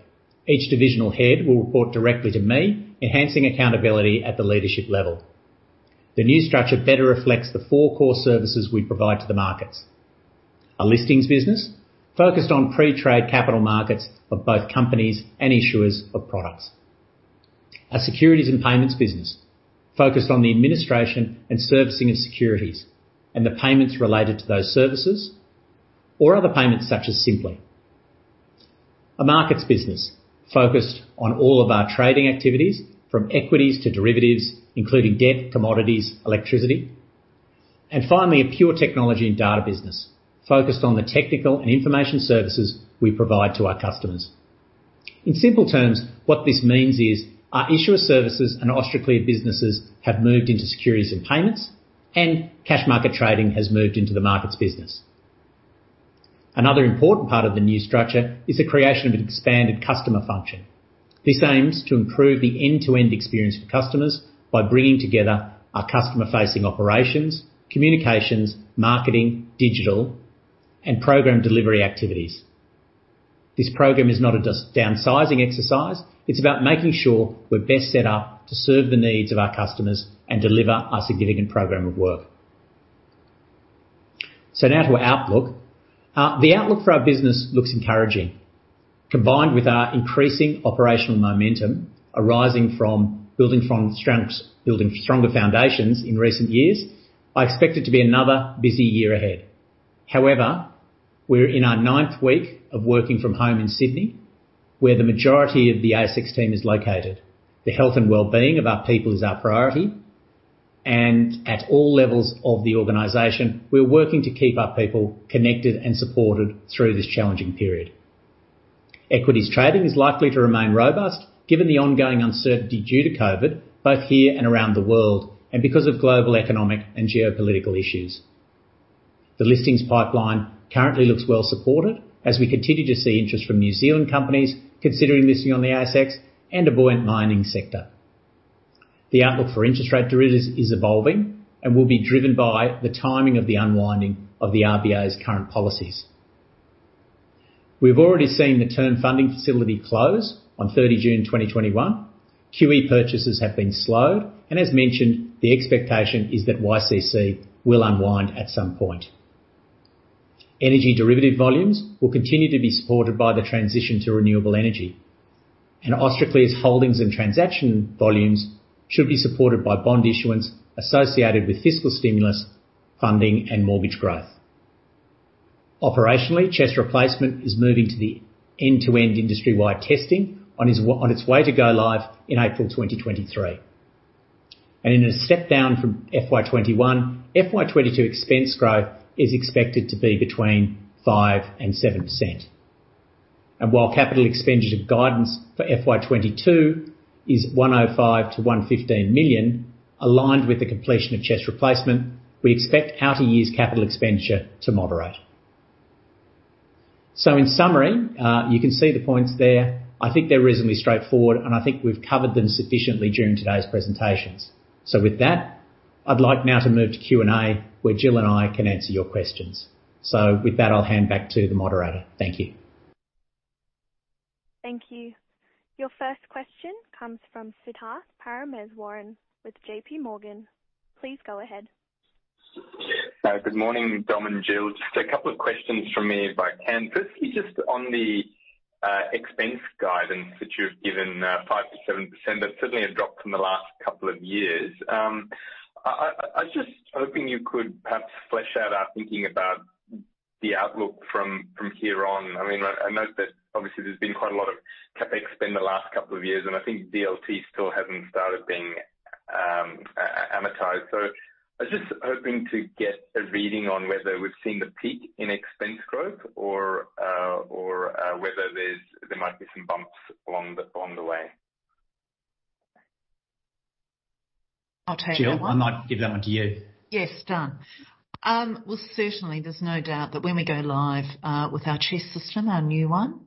Each divisional head will report directly to me, enhancing accountability at the leadership level. The new structure better reflects the four core services we provide to the markets. Our listings business, focused on pre-trade capital markets of both companies and issuers of products. Our securities and payments business, focused on the administration and servicing of securities and the payments related to those services or other payments such as Sympli. Our markets business, focused on all of our trading activities, from equities to derivatives, including debt, commodities, electricity. Finally, a pure technology and data business, focused on the technical and information services we provide to our customers. In simple terms, what this means is our issuer services and Austraclear businesses have moved into securities and payments, and cash market trading has moved into the markets business. Another important part of the new structure is the creation of an expanded customer function. This aims to improve the end-to-end experience for customers by bringing together our customer-facing operations, communications, marketing, digital, and program delivery activities. This program is not a downsizing exercise. It's about making sure we're best set up to serve the needs of our customers and deliver our significant program of work. Now to outlook. The outlook for our business looks encouraging. Combined with our increasing operational momentum arising from building stronger foundations in recent years, I expect it to be another busy year ahead. We're in our ninth week of working from home in Sydney, where the majority of the ASX team is located. The health and wellbeing of our people is our priority. At all levels of the organization, we're working to keep our people connected and supported through this challenging period. Equities trading is likely to remain robust given the ongoing uncertainty due to COVID, both here and around the world, and because of global economic and geopolitical issues. The listings pipeline currently looks well supported as we continue to see interest from New Zealand companies considering listing on the ASX and a buoyant mining sector. The outlook for interest rate derivatives is evolving and will be driven by the timing of the unwinding of the RBA's current policies. We've already seen the term funding facility close on 30 June 2021. QE purchases have been slowed, and as mentioned, the expectation is that YCC will unwind at some point. Energy derivative volumes will continue to be supported by the transition to renewable energy. Austraclear holdings and transaction volumes should be supported by bond issuance associated with fiscal stimulus, funding, and mortgage growth. Operationally, CHESS replacement is moving to the end-to-end industry-wide testing on its way to go live in April 2023. In a step down from FY2021, FY2022 expense growth is expected to be between 5% and 7%. While capital expenditure guidance for F 2022 is 105 million-115 million, aligned with the completion of CHESS replacement, we expect outer years capital expenditure to moderate. In summary, you can see the points there. I think they're reasonably straightforward, and I think we've covered them sufficiently during today's presentations. With that, I'd like now to move to Q&A, where Gill and I can answer your questions. With that, I'll hand back to the moderator. Thank you. Thank you. Your first question comes from Siddharth Parameswaran with JPMorgan. Please go ahead. Good morning, Dom and Gill. Just a couple of questions from me, if I can. Firstly, just on the expense guidance that you've given, 5%-7%, that's certainly a drop from the last couple of years. I was just hoping you could perhaps flesh out our thinking about the outlook from here on. I note that obviously there's been quite a lot of CapEx spend the last couple of years, and I think DLT still hasn't started being amortized. I was just hoping to get a reading on whether we've seen the peak in expense growth or whether there might be some bumps along the way. Gill, I might give that one to you. Yes, done. Certainly there's no doubt that when we go live with our CHESS system, our new one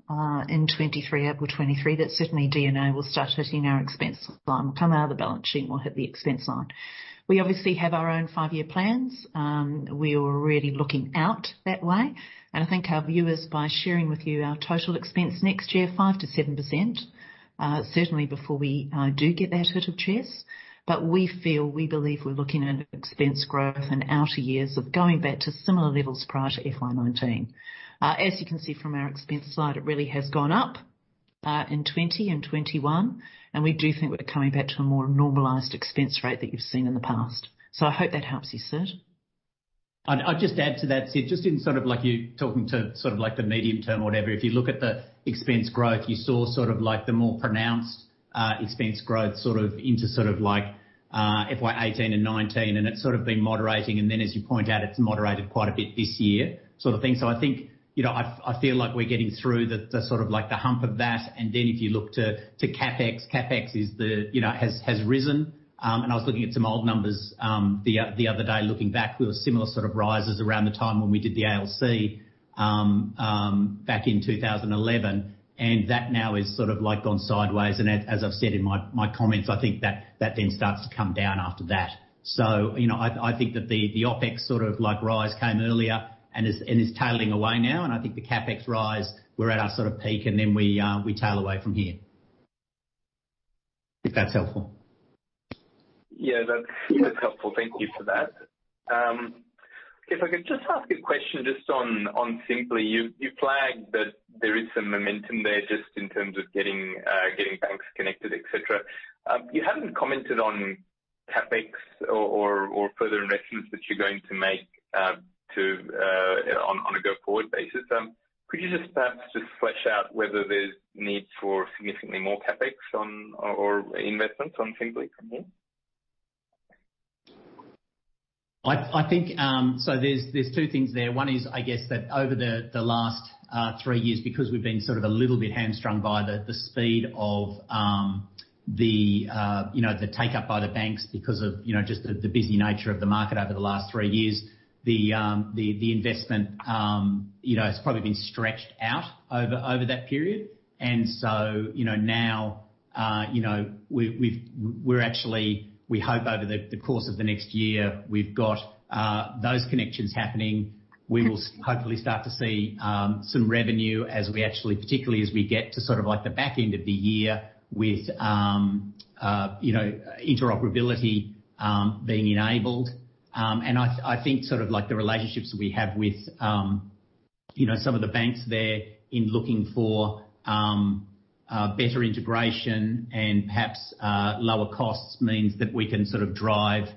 in April 2023, that certainly D&A will start hitting our expense line. We'll come out of the balance sheet, we'll hit the expense line. We obviously have our own five-year plans. We're already looking out that way. I think our view is by sharing with you our total expense next year, 5%-7%, certainly before we do get that hit of CHESS. We feel, we believe we're looking at an expense growth and outer years of going back to similar levels prior to FY2019. As you can see from our expense slide, it really has gone up in 2020 and 2021. We do think we're coming back to a more normalized expense rate that you've seen in the past. I hope that helps you, Sidd. I'd just add to that, Sidd. Just in talking to the medium-term, whatever, if you look at the expense growth, you saw the more pronounced expense growth into FY 2018 and 2019, and it's been moderating, and then as you point out, it's moderated quite a bit this year sort of thing. I feel like we're getting through the hump of that. If you look to CapEx has risen. I was looking at some old numbers the other day looking back. We had similar rises around the time when we did the ALC back in 2011, and that now has gone sideways. As I've said in my comments, I think that then starts to come down after that. I think that the OpEx rise came earlier and is tailing away now, and I think the CapEx rise, we're at our peak and then we tail away from here. If that's helpful. That's helpful. Thank you for that. I could just ask a question just on Sympli. You flagged that there is some momentum there just in terms of getting banks connected, et cetera. You haven't commented on CapEx or further investments that you're going to make on a go-forward basis. You just perhaps just flesh out whether there's need for significantly more CapEx or investments on Sympli from here? There's two things there. One is, I guess that over the last three years, because we've been a little bit hamstrung by the speed of the take-up by the banks because of just the busy nature of the market over the last three years, the investment has probably been stretched out over that period. Now we hope over the course of the next year, we've got those connections happening. We will hopefully start to see some revenue as we actually, particularly as we get to the back end of the year with interoperability being enabled. I think the relationships we have with some of the banks there in looking for better integration and perhaps lower costs means that we can drive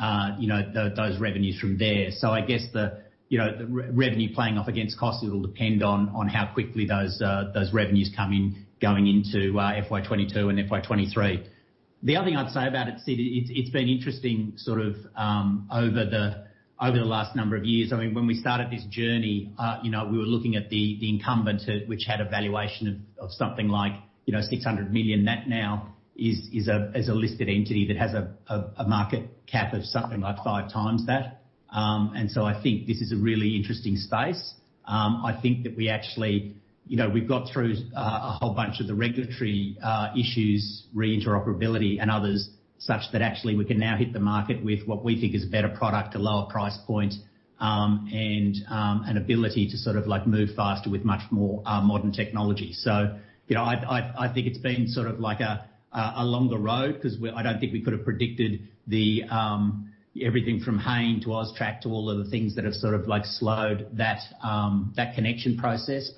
those revenues from there. I guess the revenue playing off against costs will depend on how quickly those revenues come in going into FY2022 and FY2023. The other thing I'd say about it, Sidd, it's been interesting over the last number of years. When we started this journey, we were looking at the incumbent, which had a valuation of something like 600 million. That now is a listed entity that has a market cap of something like 5x that. I think this is a really interesting space. I think that we've got through a whole bunch of the regulatory issues, re-interoperability and others, such that actually we can now hit the market with what we think is a better product, a lower price point, and an ability to move faster with much more modern technology. I think it's been a longer road because I don't think we could have predicted everything from Hayne to AUSTRAC to all of the things that have slowed that connection process.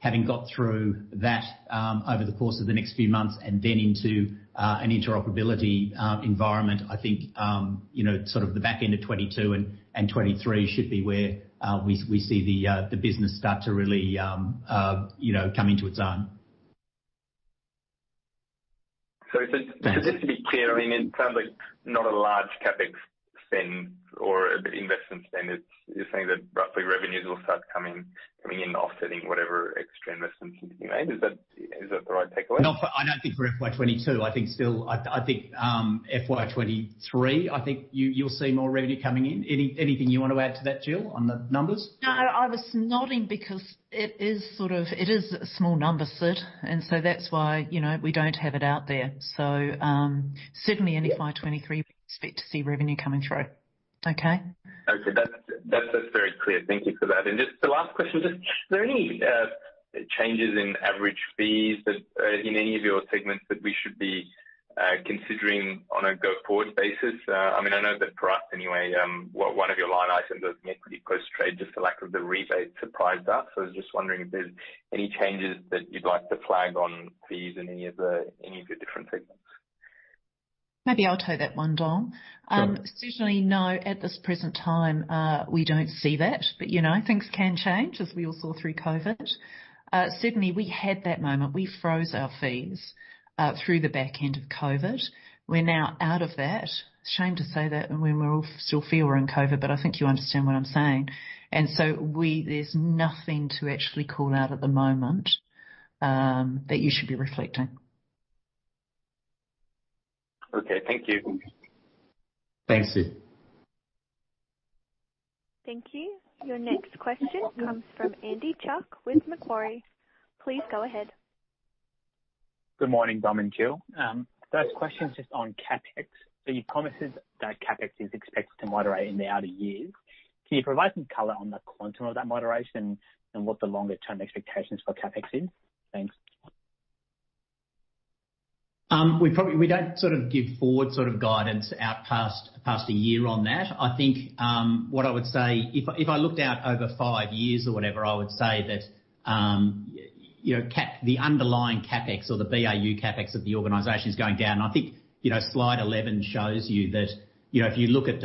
Having got through that over the course of the next few months and then into an interoperability environment, I think, the back end of 2022 and 2023 should be where we see the business start to really come into its own. Just to be clear, it sounds like not a large CapEx spend or investment spend. You're saying that roughly revenues will start coming in offsetting whatever extra investments have been made. Is that the right takeaway? Not for, I don't think for FY2022. I think FY2023, I think you'll see more revenue coming in. Anything you want to add to that, Gill, on the numbers? No, I was nodding because it is a small number, Sidd, and so that's why we don't have it out there. Certainly in FY2023, we expect to see revenue coming through. Okay. Okay. That's very clear. Thank you for that. Just the last question, just are there any changes in average fees that are in any of your segments that we should be considering on a go-forward basis? I know that for us anyway, one of your line items of an equity post-trade, just the lack of the rebate surprised us. I was just wondering if there's any changes that you'd like to flag on fees in any of your different segments. Maybe I'll throw that one, Dom. Sure. Certainly no, at this present time, we don't see that. Things can change as we all saw through COVID. Certainly we had that moment. We froze our fees through the back end of COVID. We're now out of that. Shame to say that when we all still feel we're in COVID, but I think you understand what I'm saying. There's nothing to actually call out at the moment that you should be reflecting. Okay. Thank you. Thanks, Sidd. Thank you. Your next question comes from Andy Chuk with Macquarie. Please go ahead. Good morning, Dom and Gill. The first question is just on CapEx. You promised us that CapEx is expected to moderate in the outer years. Can you provide some color on the quantum of that moderation and what the longer-term expectations for CapEx is? Thanks. We don't give forward guidance out past a year on that. I think what I would say, if I looked out over 5 years or whatever, I would say that the underlying CapEx or the BAU CapEx of the organization is going down. I think slide 11 shows you that if you look at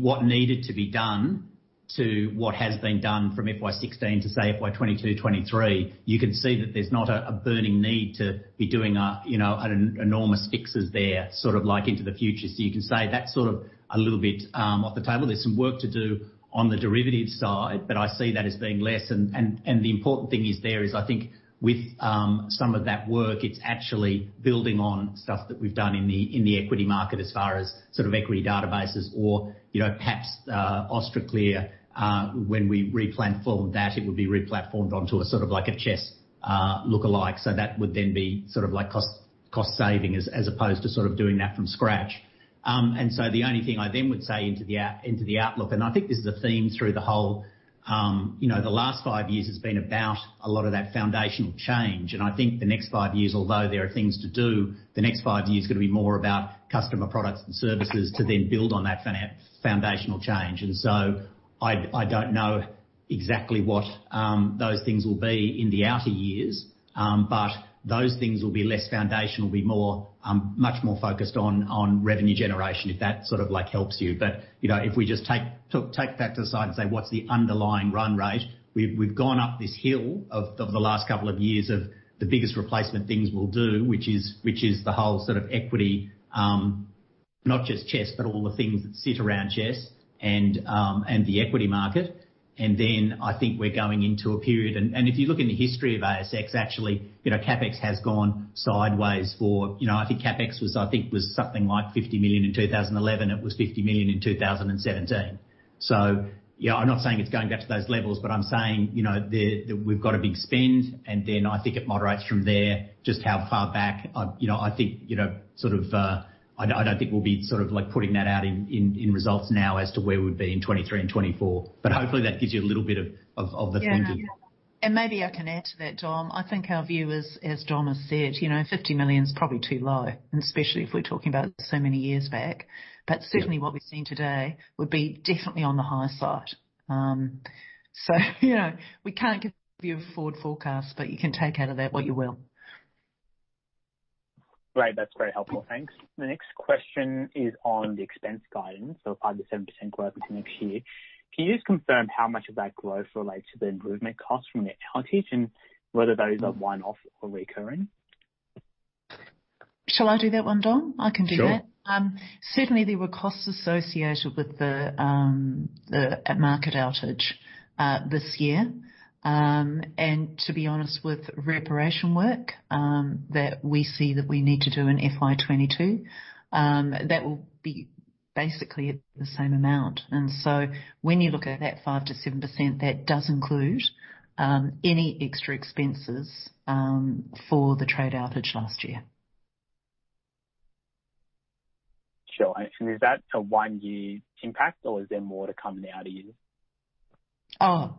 what needed to be done to what has been done from FY2016 to say FY2022, 2023, you can see that there's not a burning need to be doing enormous fixes there into the future. You can say that's a little bit off the table. There's some work to do on the derivatives side, but I see that as being less. The important thing there is, I think with some of that work, it's actually building on stuff that we've done in the equity market as far as equity databases or perhaps Austraclear, when we replatform that, it would be replatformed onto a CHESS lookalike. That would then be cost-saving as opposed to doing that from scratch. The only thing I then would say into the outlook, and I think this is a theme through the whole, the last 5 years has been about a lot of that foundational change. I think the next 5 years, although there are things to do, the next 5 years are going to be more about customer products and services to then build on that foundational change. I don't know exactly what those things will be in the outer years, but those things will be less foundational, will be much more focused on revenue generation, if that helps you. If we just take that to the side and say, what's the underlying run rate? We've gone up this hill of the last couple of years of the biggest replacement things we'll do, which is the whole equity, not just CHESS, but all the things that sit around CHESS and the equity market. Then I think we're going into a period If you look in the history of ASX, actually, CapEx has gone sideways for, I think CapEx was something like 50 million in 2011. It was 50 million in 2017. I'm not saying it's going back to those levels, but I'm saying that we've got a big spend, and then I think it moderates from there. Just how far back, I don't think we'll be putting that out in results now as to where we'd be in 2023 and 2024. Hopefully that gives you a little bit of the thinking. Yeah. Maybe I can add to that, Dom. I think our view is, as Dom has said, 50 million is probably too low, and especially if we're talking about so many years back. Certainly what we're seeing today would be definitely on the higher side. We can't give you a forward forecast, but you can take out of that what you will. Great. That's very helpful. Thanks. The next question is on the expense guidance, 5%-7% growth into next year. Can you just confirm how much of that growth relates to the improvement costs from the outage and whether those are one-off or recurring? Shall I do that one, Dom? I can do that. Sure. Certainly, there were costs associated with the market outage this year. To be honest, with reparation work, that we see that we need to do in FY 2022. That will be basically the same amount. When you look at that 5%-7%, that does include any extra expenses for the trade outage last year. Sure. Is that a one-year impact, or is there more to come outer years? Oh.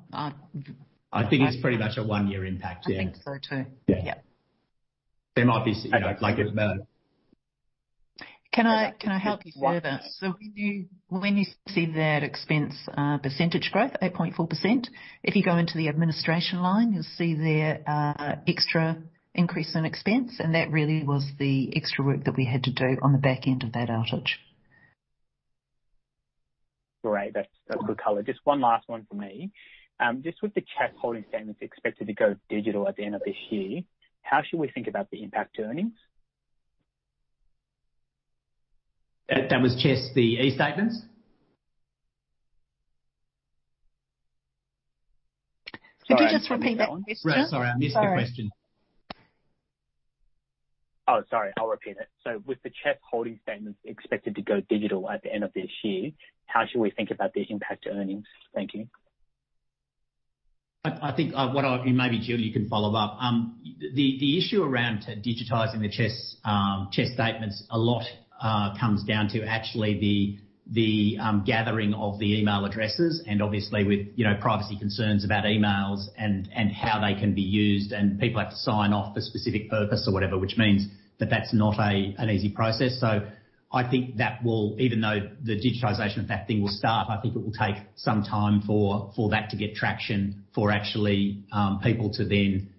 I think it's pretty much a one-year impact, yeah. I think so too. Yeah. Yep. There might be, like- Can I help you further? When you see that expense % growth, 8.4%, if you go into the administration line, you'll see there extra increase in expense, that really was the extra work that we had to do on the back end of that outage. Great. That's good color. Just one last one from me. Just with the CHESS holding statements expected to go digital at the end of this year, how should we think about the impact to earnings? That was CHESS, the eStatements? Could you just repeat that question? Sorry, I missed the question. Oh, sorry. I'll repeat it. With the CHESS holding statements expected to go digital at the end of this year, how should we think about the impact to earnings? Thank you. I think maybe, Gill, you can follow up. The issue around digitizing the CHESS statements, a lot comes down to actually the gathering of the email addresses, and obviously with privacy concerns about emails and how they can be used, and people have to sign off for specific purpose or whatever, which means that that's not an easy process. I think that even though the digitization of that thing will start, I think it will take some time for that to get traction for actually people to then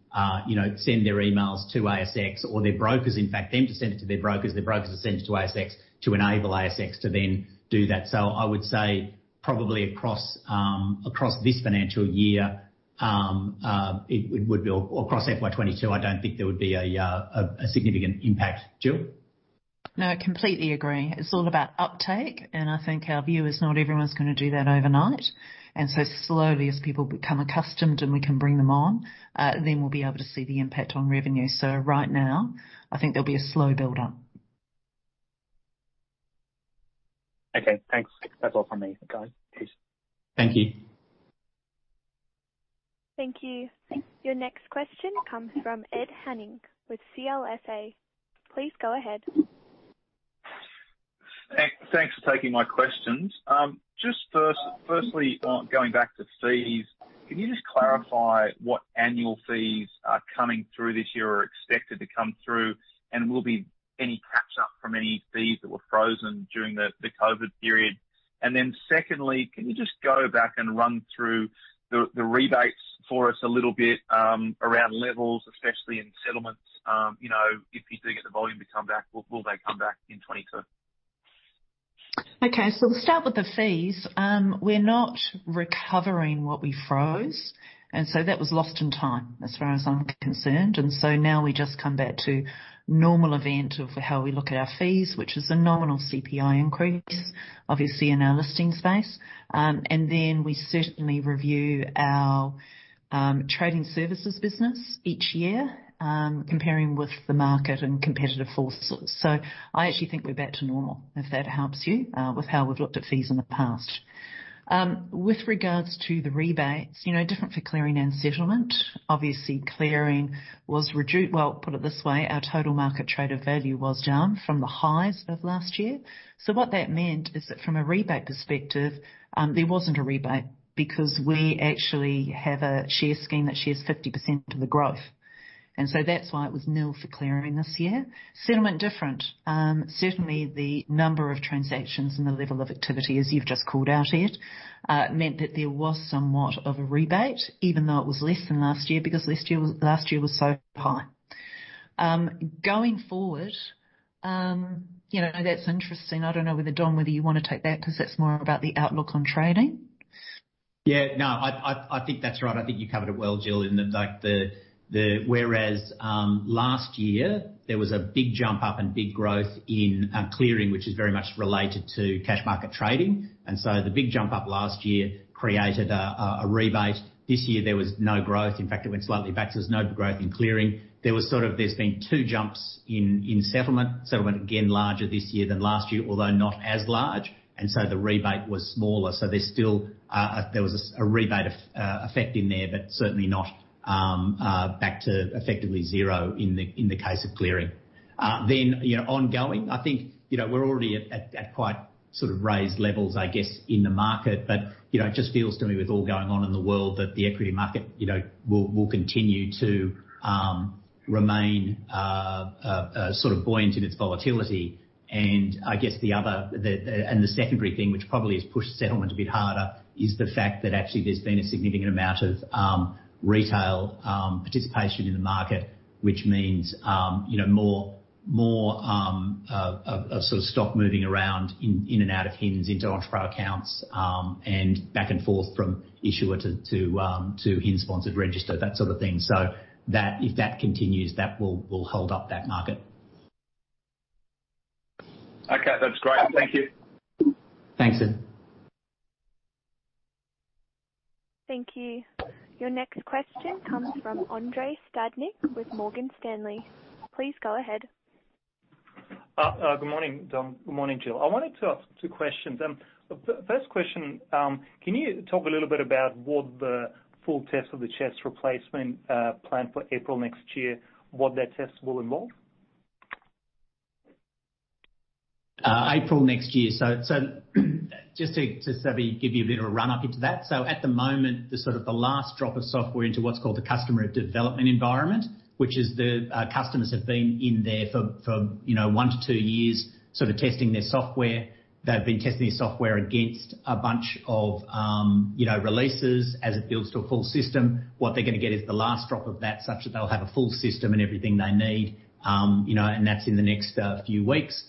send their emails to ASX or their brokers, in fact, them to send it to their brokers, their brokers to send it to ASX, to enable ASX to then do that. I would say probably across this financial year, or across FY 2022, I don't think there would be a significant impact. Gill? No, I completely agree. It's all about uptake, and I think our view is not everyone's going to do that overnight. Slowly as people become accustomed and we can bring them on, then we'll be able to see the impact on revenue. Right now, I think there'll be a slow build-up. Okay, thanks. That's all from me, guys. Peace. Thank you. Thank you. Your next question comes from Ed Henning with CLSA. Please go ahead. Thanks for taking my questions. Firstly, going back to fees, can you clarify what annual fees are coming through this year or expected to come through, and will be any catch-up from any fees that were frozen during the COVID period? Secondly, can you go back and run through the rebates for us a little bit, around levels, especially in settlements? If you do get the volume to come back, will they come back in 2022? Okay. We'll start with the fees. We're not recovering what we froze, that was lost in time, as far as I'm concerned. Now we just come back to normal event of how we look at our fees, which is a nominal CPI increase, obviously in our listing space. Then we certainly review our trading services business each year, comparing with the market and competitive forces. I actually think we're back to normal, if that helps you, with how we've looked at fees in the past. With regards to the rebates, different for clearing and settlement. Obviously, clearing was reduced. Well, put it this way, our total market trader value was down from the highs of last year. What that meant is that from a rebate perspective, there wasn't a rebate because we actually have a share scheme that shares 50% of the growth. That's why it was nil for clearing this year. Settlement different. Certainly, the number of transactions and the level of activity, as you've just called out, Ed, meant that there was somewhat of a rebate, even though it was less than last year, because last year was so high. Going forward, that's interesting. I don't know, Dom, whether you want to take that because that's more about the outlook on trading. No, I think that's right. I think you covered it well, Gillian, in that whereas last year, there was a big jump up and big growth in clearing, which is very much related to cash market trading. The big jump up last year created a rebate. This year, there was no growth. In fact, it went slightly back, so there's no growth in clearing. There's been two jumps in settlement. Settlement again, larger this year than last year, although not as large. The rebate was smaller. There was a rebate effect in there, but certainly not back to effectively zero in the case of clearing. Ongoing, I think we're already at quite sort of raised levels, I guess, in the market. It just feels to me with all going on in the world that the equity market will continue to remain sort of buoyant in its volatility. The secondary thing which probably has pushed settlement a bit harder is the fact that actually there's been a significant amount of retail participation in the market, which means more stock moving around in and out of HINs into entrepot nominee accounts, and back and forth from issuer to HINs sponsored register, that sort of thing. If that continues, that will hold up that market. Okay. That's great. Thank you. Thanks, Sidd. Thank you. Your next question comes from Andrei Stadnik with Morgan Stanley. Please go ahead. Good morning, Dom. Good morning, Gill. I wanted to ask two questions. First question, can you talk a little bit about what the full test of the CHESS replacement plan for April next year, what that test will involve? April next year. Just to give you a bit of a run-up into that. At the moment, the last drop of software into what's called the customer development environment, which is the customers have been in there for 1 to 2 years, testing their software. They've been testing their software against a bunch of releases as it builds to a full system. What they're going to get is the last drop of that, such that they'll have a full system and everything they need. That's in the next few weeks.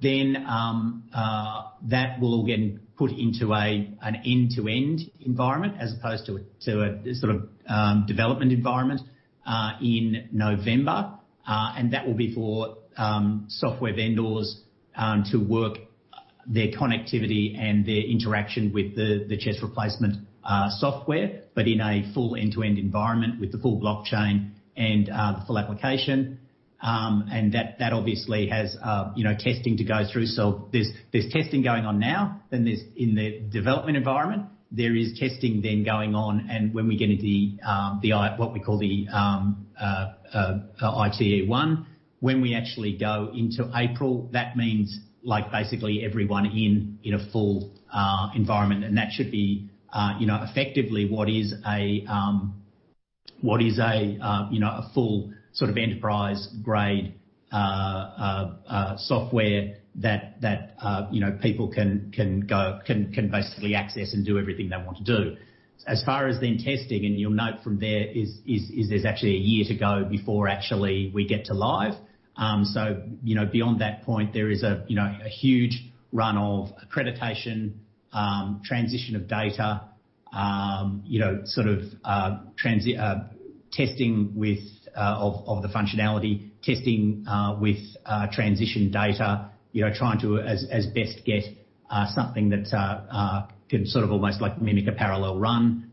That will all get put into an end-to-end environment as opposed to a development environment in November. That will be for software vendors to work their connectivity and their interaction with the CHESS replacement software, but in a full end-to-end environment with the full blockchain and the full application. That obviously has testing to go through. There's testing going on now, in the development environment. There is testing then going on and when we get into the, what we call the ITE 1. When we actually go into April, that means basically everyone in a full environment. That should be effectively what is a full enterprise-grade software that people can basically access and do everything they want to do. As far as then testing, you'll note from there is there's actually 1 year to go before actually we get to live. Beyond that point, there is a huge run of accreditation, transition of data, testing of the functionality, testing with transition data, trying to as best get something that can almost mimic a parallel run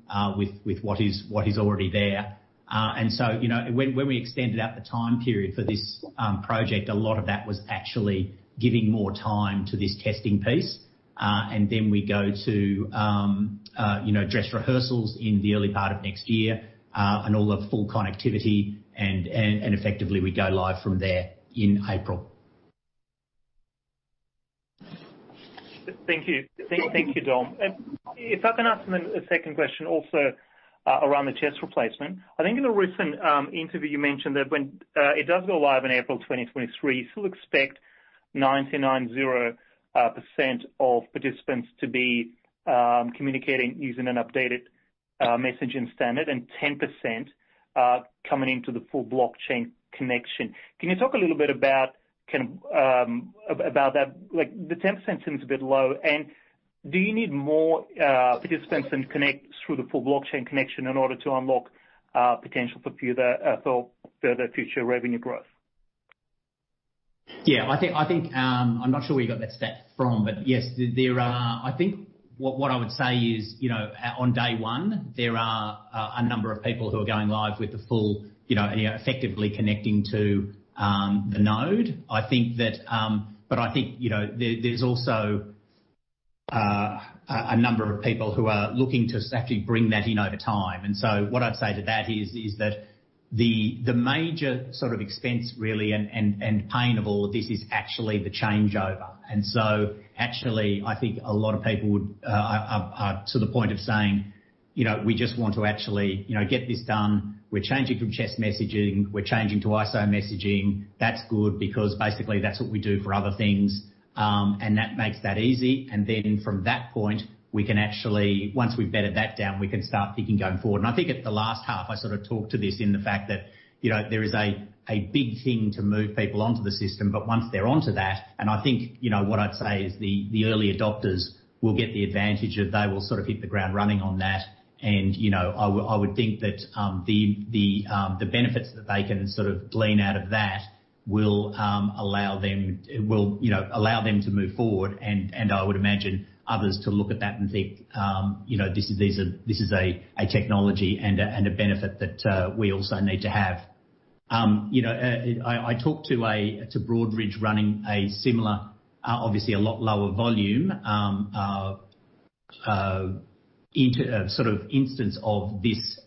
with what is already there. When we extended out the time period for this project, a lot of that was actually giving more time to this testing piece. Then we go to dress rehearsals in the early part of next year, and all the full connectivity, and effectively we go live from there in April. Thank you. Thank you, Dom. If I can ask a second question also around the CHESS replacement. I think in a recent interview you mentioned that when it does go live in April 2023, you still expect 99.0% of participants to be communicating using an updated messaging standard and 10% coming into the full blockchain connection. Can you talk a little bit about that? The 10% seems a bit low. Do you need more participants and connects through the full blockchain connection in order to unlock potential for further future revenue growth? Yeah. I am not sure where you got that stat from, but yes, I think what I would say is, on day one, there are a number of people who are going live with the full, effectively connecting to the node. I think there is also a number of people who are looking to actually bring that in over time. What I would say to that is that the major expense really and pain of all of this is actually the changeover. Actually, I think a lot of people would are to the point of saying, "We just want to actually get this done. We are changing from CHESS messaging, we are changing to ISO messaging. That is good because basically that is what we do for other things. That makes that easy. From that point, we can actually, once we've bedded that down, we can start thinking going forward. I think at the last half, I sort of talked to this in the fact that there is a big thing to move people onto the system, but once they're onto that, I think what I'd say is the early adopters will get the advantage of, they will hit the ground running on that. I would think that the benefits that they can glean out of that will allow them to move forward and I would imagine others to look at that and think, "This is a technology and a benefit that we also need to have." I talked to Broadridge running a similar, obviously a lot lower volume, instance of this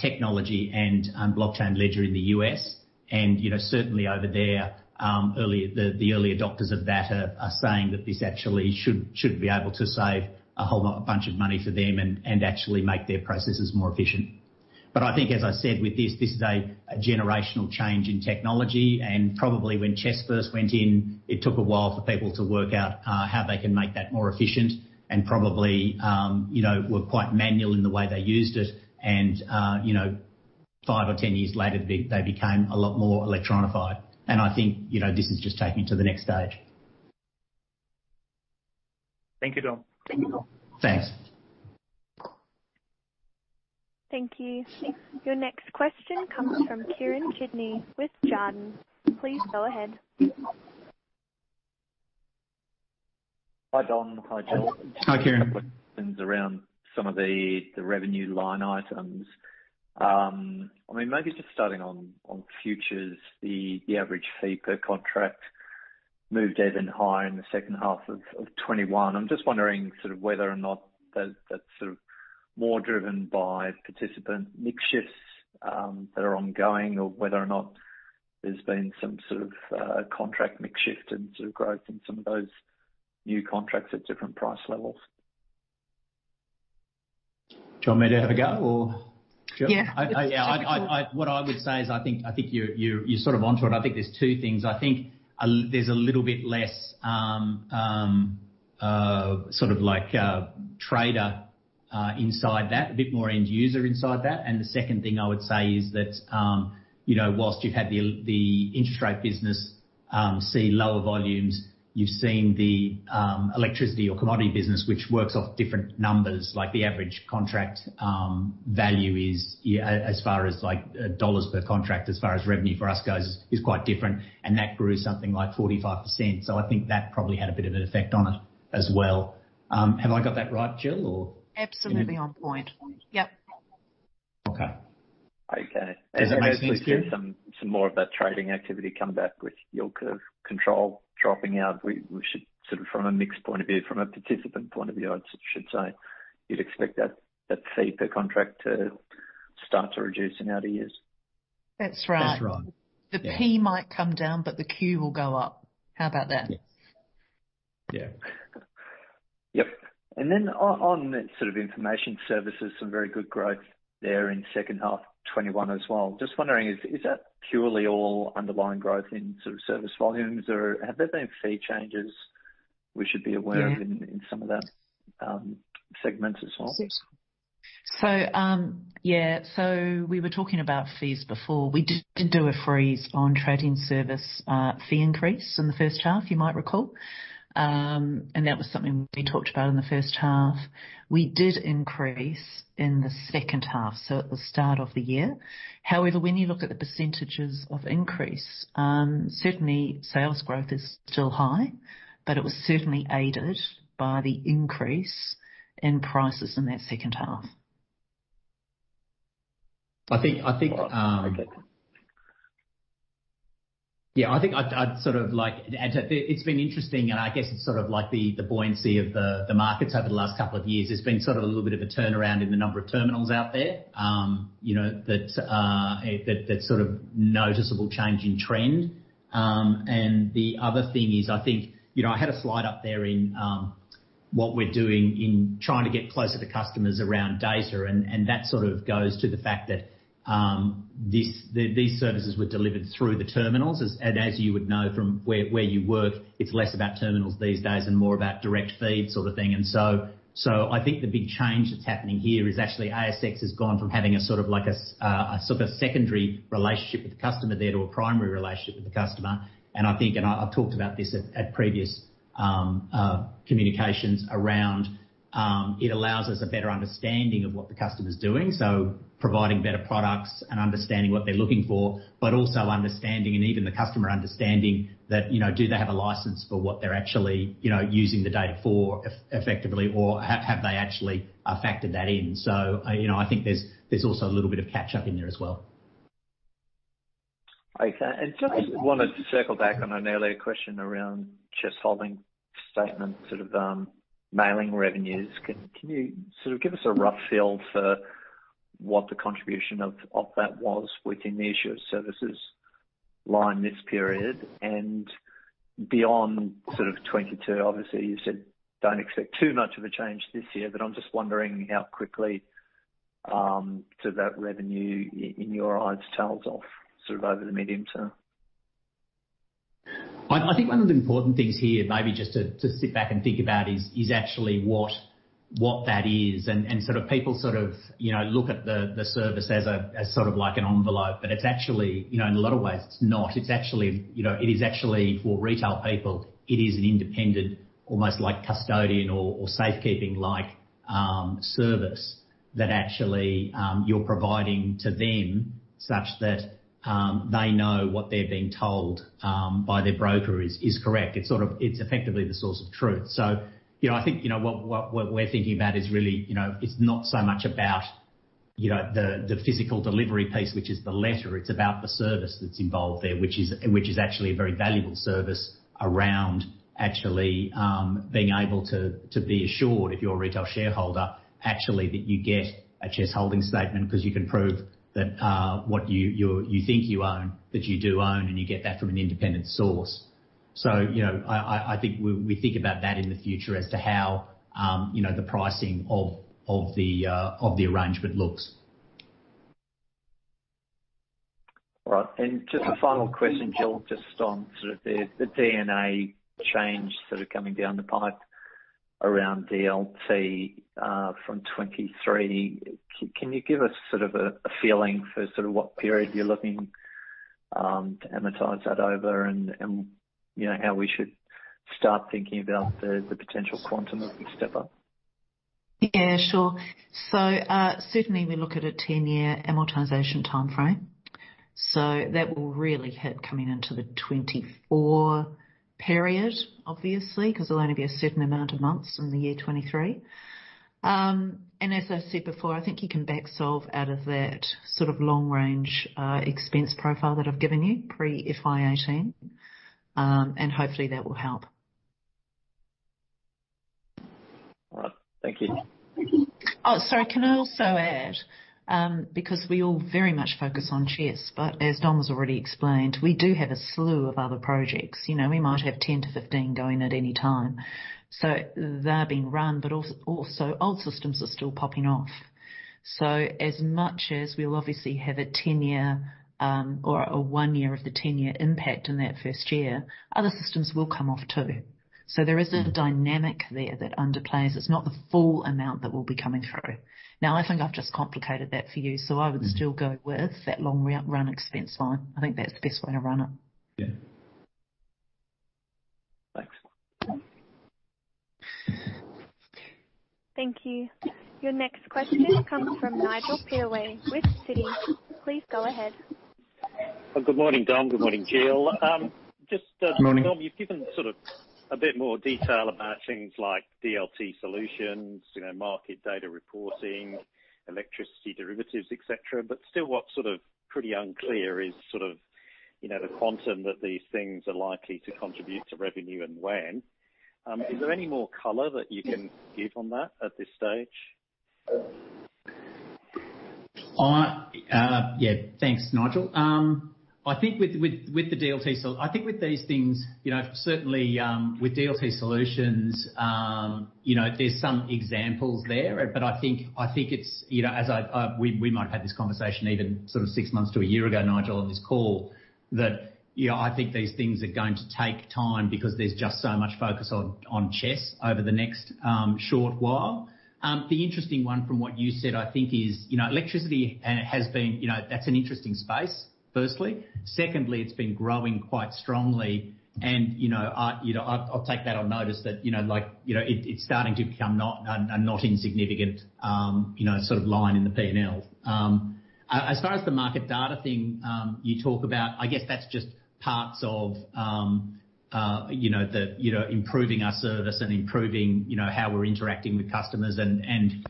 technology and blockchain ledger in the U.S., and certainly over there, the early adopters of that are saying that this actually should be able to save a whole bunch of money for them and actually make their processes more efficient. I think as I said with this is a generational change in technology, and probably when CHESS first went in, it took a while for people to work out how they can make that more efficient and probably were quite manual in the way they used it. You know, 5 or 10 years later, they became a lot more electronified. I think this is just taking it to the next stage. Thank you, Dom. Thanks. Thank you. Your next question comes from Kieren Chidgey with Jarden. Please go ahead. Hi, Dom. Hi, Gill. Hi, Kieren. A couple of questions around some of the revenue line items. Maybe just starting on futures, the average fee per contract moved even higher in the second half of 2021. I'm just wondering, whether or not that's more driven by participant mix shifts that are ongoing, or whether or not there's been some sort of contract mix shift and growth in some of those new contracts at different price levels. Do you want me to have a go or? Yeah. What I would say is, I think you're onto it. I think there's two things. I think there's a little bit less trader inside that, a bit more end user inside that. The second thing I would say is that, whilst you've had the interest rate business see lower volumes, you've seen the electricity or commodity business, which works off different numbers, like the average contract value is, as far as dollars per contract, as far as revenue for us goes, is quite different. That grew something like 45%. I think that probably had a bit of an effect on it as well. Have I got that right, Gill? Absolutely on point. Yep. Okay. Okay. Does that make sense, Kieran? As we see some more of that trading activity come back with yield curve control dropping out, we should, from a mix point of view, from a participant point of view, I should say, you'd expect that fee per contract to start to reduce in how to use. That's right. That's right. The P might come down, but the Q will go up. How about that? Yeah. Yep. Then on that information services, some very good growth there in second half 2021 as well. Just wondering, is that purely all underlying growth in service volumes, or have there been fee changes we should be aware of? Yeah In some of that segments as well? Yeah. We were talking about fees before. We did do a freeze on trading service fee increase in the first half, you might recall. That was something we talked about in the first half. We did increase in the second half, so at the start of the year. When you look at the percentages of increase, certainly sales growth is still high, but it was certainly aided by the increase in prices in that second half. I think- Okay. Yeah, I think it's been interesting, and I guess it's like the buoyancy of the markets over the last couple of years. There's been a little bit of a turnaround in the number of terminals out there, that noticeable change in trend. The other thing is, I think, I had a slide up there in what we're doing in trying to get closer to customers around data, and that goes to the fact that these services were delivered through the terminals. As you would know from where you work, it's less about terminals these days and more about direct feed sort of thing. I think the big change that's happening here is actually ASX has gone from having a secondary relationship with the customer there to a primary relationship with the customer. I've talked about this at previous communications around it allows us a better understanding of what the customer's doing, providing better products and understanding what they're looking for, but also understanding and even the customer understanding that, do they have a license for what they're actually using the data for effectively, or have they actually factored that in? I think there's also a little bit of catch-up in there as well. Just wanted to circle back on an earlier question around CHESS holding statement, mailing revenues. Can you give us a rough feel for what the contribution of that was within the issuer services line this period and beyond 2022? Obviously, you said don't expect too much of a change this year, but I'm just wondering how quickly that revenue, in your eyes, tails off over the medium term. I think one of the important things here, maybe just to sit back and think about is, actually what that is. People look at the service as an envelope, but it's actually, in a lot of ways, it's not. It is actually for retail people, it is an independent, almost like custodian or safekeeping service that actually you're providing to them such that they know what they're being told by their broker is correct. It's effectively the source of truth. I think, what we're thinking about is really, it's not so much about the physical delivery piece, which is the letter. It's about the service that's involved there, which is actually a very valuable service around actually being able to be assured if you're a retail shareholder, actually, that you get a CHESS holding statement because you can prove that what you think you own, that you do own, and you get that from an independent source. I think we think about that in the future as to how the pricing of the arrangement looks. Right. Just a final question, Gill, just on sort of the D&A change sort of coming down the pipe around DLT from 2023. Can you give us sort of a feeling for sort of what period you're looking to amortize that over and how we should start thinking about the potential quantum that we step up? Yeah, sure. Certainly we look at a 10-year amortization timeframe. That will really hit coming into the 2024 period, obviously, because there'll only be a certain amount of months in the year 2023. As I said before, I think you can back solve out of that sort of long range expense profile that I've given you pre-IFRS 16, and hopefully that will help. All right. Thank you. Sorry, can I also add, because we all very much focus on CHESS, but as Dom's already explained, we do have a slew of other projects. We might have 10 to 15 going at any time. They're being run, but also old systems are still popping off. As much as we'll obviously have a 10-year or a one year of the 10-year impact in that first year, other systems will come off too. There is a dynamic there that underplays. It's not the full amount that will be coming through. I think I've just complicated that for you, so I would still go with that long run expense line. I think that's the best way to run it. Yeah. Thanks. Thank you. Your next question comes from Nigel Pittaway with Citi. Please go ahead. Good morning, Dom. Good morning, Gill. Morning. Dom, you've given sort of a bit more detail about things like DLT solutions, market data reporting, electricity derivatives, et cetera. Still what's sort of pretty unclear is sort of the quantum that these things are likely to contribute to revenue and when. Is there any more color that you can give on that at this stage? Thanks, Nigel. I think with the DLT, I think with these things, certainly, with DLT solutions, there's some examples there, but I think it's, we might have had this conversation even sort of 6 months to 1 year ago, Nigel, on this call that I think these things are going to take time because there's just so much focus on CHESS over the next short while. The interesting one from what you said, I think is electricity has been an interesting space, firstly. Secondly, it's been growing quite strongly. I'll take that on notice that it's starting to become a not insignificant sort of line in the P&L. As far as the market data thing, you talk about, I guess that's just parts of improving our service and improving how we're interacting with customers and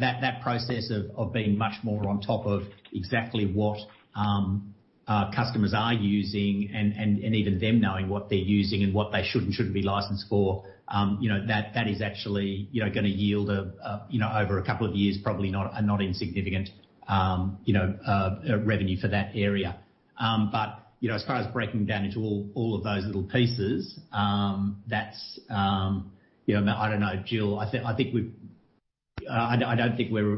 that process of being much more on top of exactly what customers are using and even them knowing what they're using and what they should and shouldn't be licensed for. That is actually going to yield over a couple of years, probably a not insignificant revenue for that area. As far as breaking down into all of those little pieces, I don't know, Gill, I don't think we're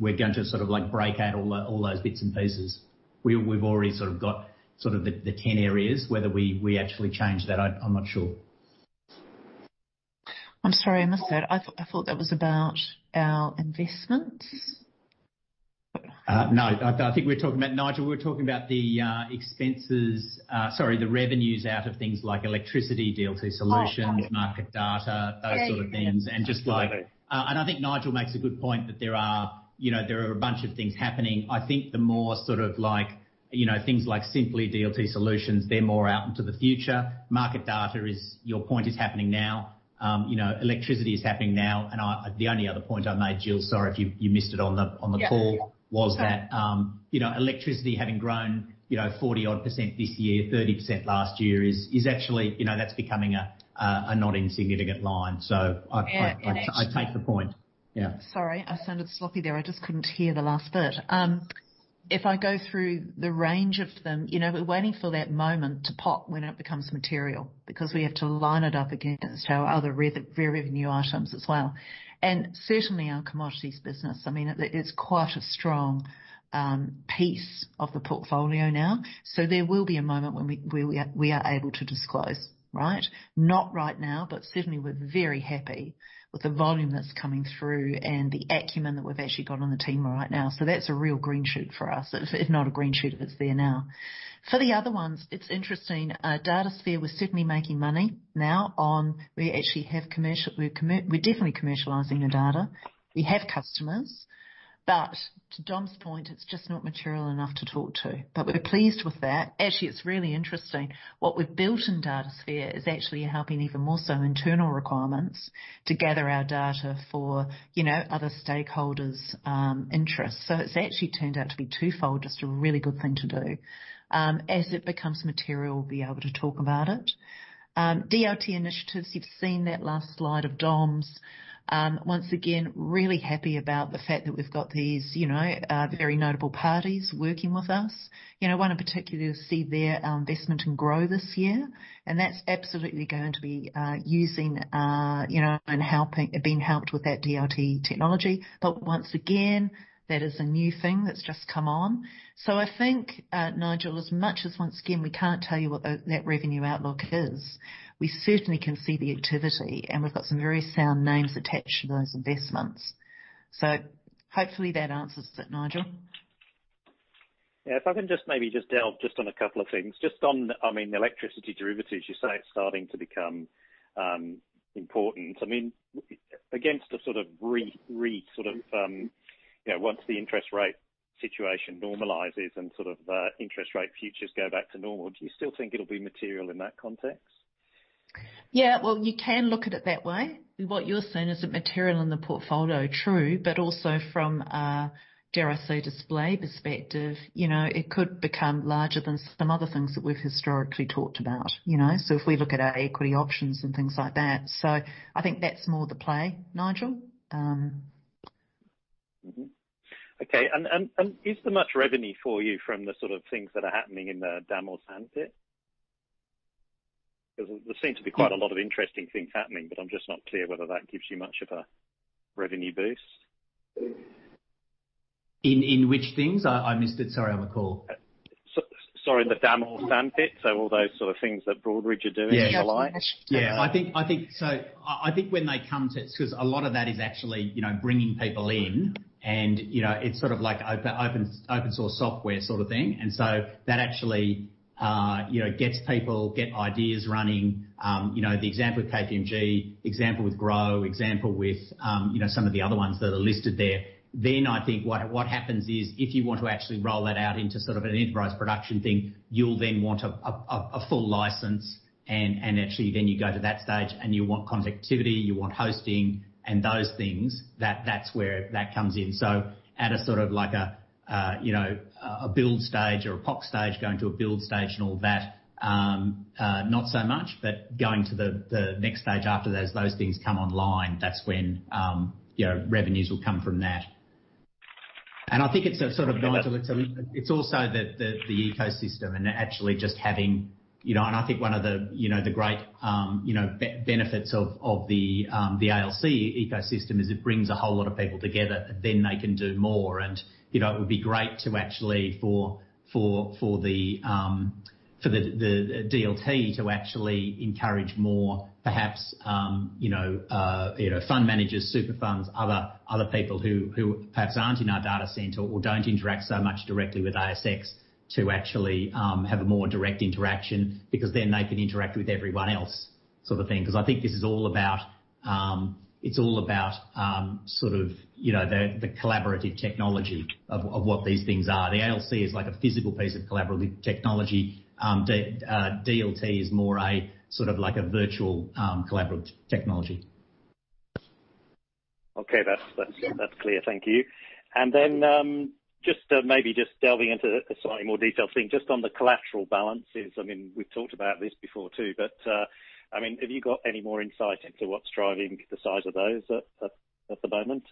going to sort of break out all those bits and pieces. We've already sort of got the 10 areas, whether we actually change that, I'm not sure. I'm sorry, I missed that. I thought that was about our investments. No. I think we were talking about, Nigel, we were talking about the revenues out of things like electricity, DLT solutions. Oh Market data, those sort of things. Yeah. Just like, I think Nigel makes a good point that there are a bunch of things happening. I think the more sort of things like Sympli DLT solutions, they're more out into the future. Market data is, your point is happening now. Electricity is happening now. The only other point I made, Gill, sorry if you missed it on the call. Yeah Was that electricity having grown 40 odd percent this year, 30% last year is actually becoming a not insignificant line. I take the point. Yeah. Sorry, I sounded sloppy there. I just couldn't hear the last bit. If I go through the range of them, we're waiting for that moment to pop when it becomes material, because we have to line it up against our other revenue items as well. Certainly our commodities business, I mean, it's quite a strong piece of the portfolio now. There will be a moment where we are able to disclose, right? Not right now, certainly we're very happy with the volume that's coming through and the acumen that we've actually got on the team right now. That's a real green shoot for us. It's not a green shoot if it's there now. For the other ones, it's interesting. DataSphere, we're certainly making money now on, we're definitely commercializing the data. We have customers. To Dom's point, it's just not material enough to talk to. We're pleased with that. Actually, it's really interesting. What we've built in DataSphere is actually helping even more so internal requirements to gather our data for other stakeholders' interests. It's actually turned out to be twofold, just a really good thing to do. As it becomes material, we'll be able to talk about it. DLT initiatives, you've seen that last slide of Dom's. Once again, really happy about the fact that we've got these very notable parties working with us. One in particular, you'll see their investment in Grow this year, and that's absolutely going to be using and being helped with that DLT technology. Once again, that is a new thing that's just come on. I think, Nigel, as much as once again, we can't tell you what that revenue outlook is, we certainly can see the activity, and we've got some very sound names attached to those investments. Hopefully that answers it, Nigel. Yeah, if I can just maybe delve on a couple of things. Just on, the electricity derivatives, you say it is starting to become important. Against once the interest rate situation normalizes and interest rate futures go back to normal, do you still think it will be material in that context? Yeah. Well, you can look at it that way. What you're saying, is it material in the portfolio? True. Also from a, dare I say, display perspective, it could become larger than some other things that we've historically talked about. If we look at our equity options and things like that. I think that's more the play, Nigel. Mm-hmm. Okay. Is there much revenue for you from the sort of things that are happening in the Daml Sandpit? Because there seem to be quite a lot of interesting things happening, but I'm just not clear whether that gives you much of a revenue boost. In which things? I missed it, sorry, I'm on call. Sorry, the Daml Sandpit. All those sort of things that Broadridge are doing and the like. Yeah. I think when they come to Because a lot of that is actually bringing people in and it's sort of like open source software sort of thing. That actually gets people, get ideas running. The example with KPMG, example with Grow, example with some of the other ones that are listed there. I think what happens is if you want to actually roll that out into sort of an enterprise production thing, you'll then want a full license and actually then you go to that stage and you want connectivity, you want hosting and those things. That's where that comes in. At a build stage or a PoC stage, going to a build stage and all that, not so much. Going to the next stage after those things come online, that's when revenues will come from that. I think it's a sort of, Nigel, it's also the ecosystem. I think one of the great benefits of the ALC ecosystem is it brings a whole lot of people together, then they can do more. It would be great to actually for the DLT to actually encourage more perhaps, fund managers, super funds, other people who perhaps aren't in our data center or don't interact so much directly with ASX to actually have a more direct interaction because then they can interact with everyone else sort of thing. I think this is all about the collaborative technology of what these things are. The ALC is like a physical piece of collaborative technology. DLT is more a sort of like a virtual collaborative technology. Okay. That's clear. Thank you. Maybe just delving into a slightly more detailed thing, just on the collateral balances. We've talked about this before too, but have you got any more insight into what's driving the size of those at the moment?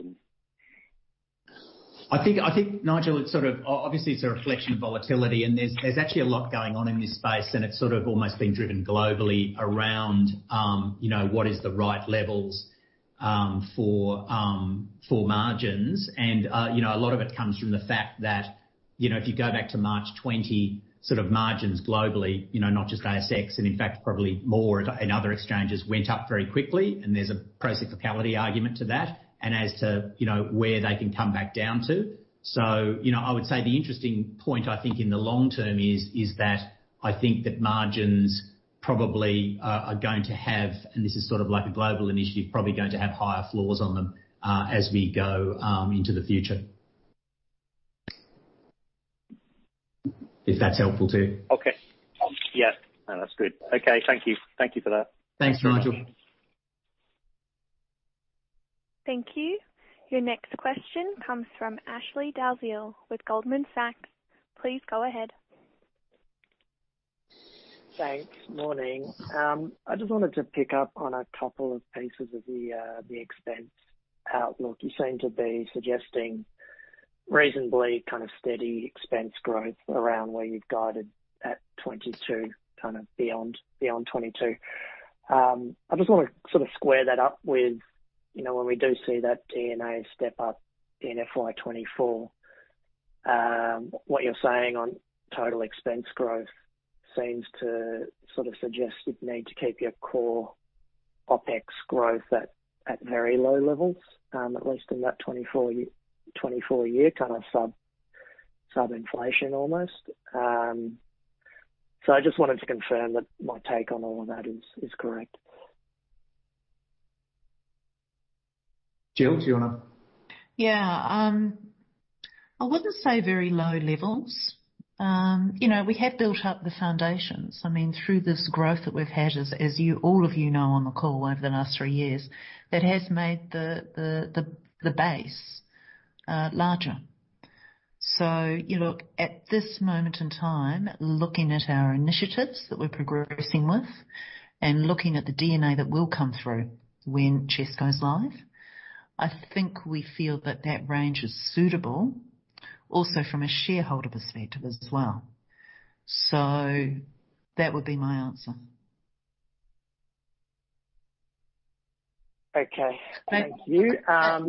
I think, Nigel, obviously it's a reflection of volatility, there's actually a lot going on in this space, and it's sort of almost being driven globally around what is the right levels for margins. A lot of it comes from the fact that, if you go back to March 2020, margins globally, not just ASX and in fact probably more in other exchanges, went up very quickly, and there's a procyclicality argument to that, as to where they can come back down to. I would say the interesting point, I think, in the long term is that I think that margins probably are going to have, and this is sort of like a global initiative, probably going to have higher floors on them, as we go into the future. If that's helpful, too. Okay. Yeah. No, that's good. Okay. Thank you. Thank you for that. Thanks, Nigel. Thank you. Your next question comes from Ashley Dalziell with Goldman Sachs. Please go ahead. Thanks. Morning. I just wanted to pick up on a couple of pieces of the expense outlook. You seem to be suggesting reasonably steady expense growth around where you've guided at 2022, kind of beyond 2022. I just want to square that up with when we do see that D&A step up in FY 2024. What you're saying on total expense growth seems to suggest you'd need to keep your core OpEx growth at very low levels, at least in that 2024 year, kind of sub-inflation almost. I just wanted to confirm that my take on all of that is correct. Gill, do you want to- Yeah. I wouldn't say very low levels. We have built up the foundations. Through this growth that we've had, as all of you know on the call over the last three years, that has made the base larger. At this moment in time, looking at our initiatives that we're progressing with and looking at the D&A that will come through when CHESS goes live, I think we feel that that range is suitable also from a shareholder perspective as well. That would be my answer. Okay. Thank you. Sorry,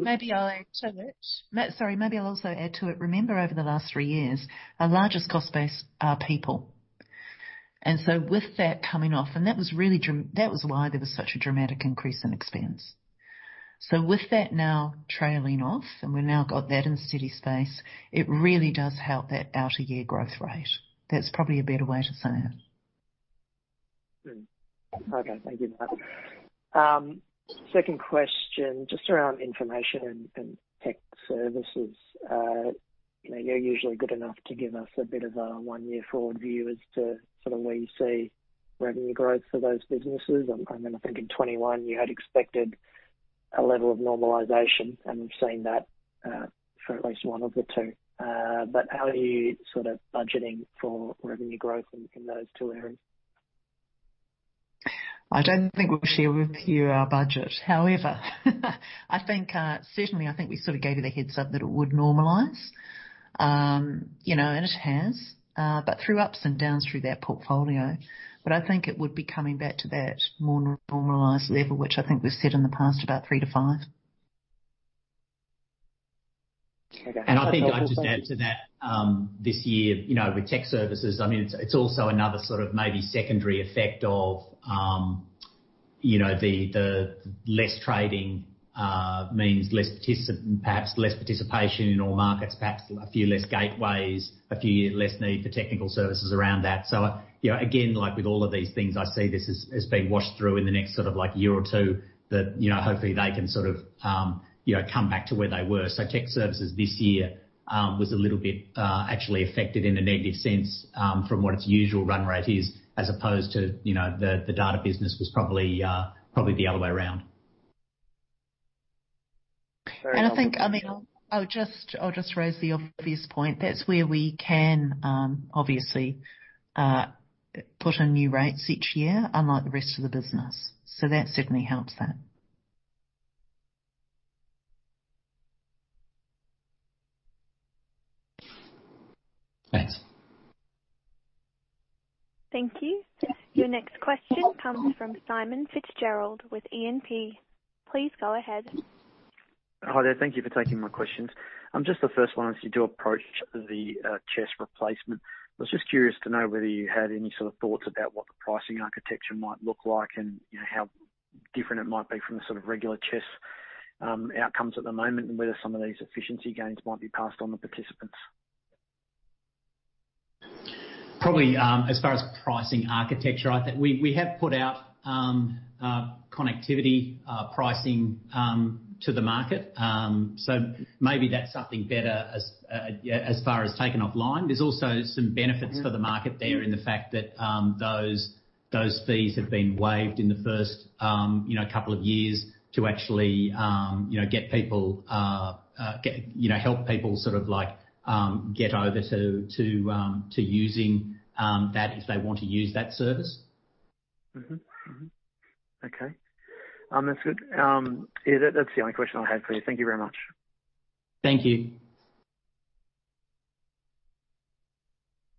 maybe I'll also add to it. Remember over the last 3 years, our largest cost base are people. With that coming off, and that was why there was such a dramatic increase in expense. With that now trailing off, and we've now got that in steady space, it really does help that outer year growth rate. That's probably a better way to say it. Okay. Thank you for that. Second question, just around information and tech services. You're usually good enough to give us a bit of a 1-year forward view as to sort of where you see revenue growth for those businesses. I mean, I think in 2021 you had expected a level of normalization, and we've seen that for at least one of the two. How are you sort of budgeting for revenue growth in those two areas? I don't think we'll share with you our budget. Certainly, I think we sort of gave you the heads-up that it would normalize. It has. Through ups and downs through that portfolio. I think it would be coming back to that more normalized level, which I think we've said in the past, about 3 to 5. Okay. I think I'll just add to that, this year with tech services, it's also another sort of maybe secondary effect of the less trading means perhaps less participation in all markets, perhaps a few less gateways, a few less need for technical services around that. Again, like with all of these things, I see this as being washed through in the next sort of year or 2 that hopefully they can sort of come back to where they were. Tech services this year was a little bit actually affected in a negative sense, from what its usual run rate is, as opposed to the data business was probably the other way around. Very well. Thank you. I think, I'll just raise the obvious point. That's where we can obviously put in new rates each year, unlike the rest of the business. That certainly helps that. Thanks. Thank you. Your next question comes from Simon Fitzgerald with E&P. Please go ahead. Hi there. Thank you for taking my questions. Just the first one, as you do approach the CHESS replacement, I was just curious to know whether you had any sort of thoughts about what the pricing architecture might look like and how different it might be from the sort of regular CHESS outcomes at the moment, and whether some of these efficiency gains might be passed on to participants. Probably, as far as pricing architecture, I think we have put out connectivity pricing to the market. Maybe that's something better as far as taken offline. There's also some benefits for the market there in the fact that those fees have been waived in the first couple of years to actually help people get over to using that if they want to use that service. Mm-hmm. Okay. That's good. That's the only question I had for you. Thank you very much. Thank you.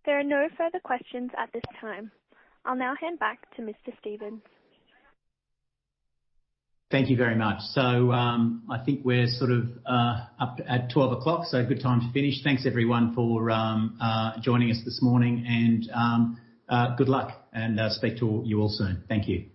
There are no further questions at this time. I will now hand back to Mr. Stevens. Thank you very much. I think we're sort of up at 12:00 P.M., so good time to finish. Thanks everyone for joining us this morning. Good luck and speak to you all soon. Thank you.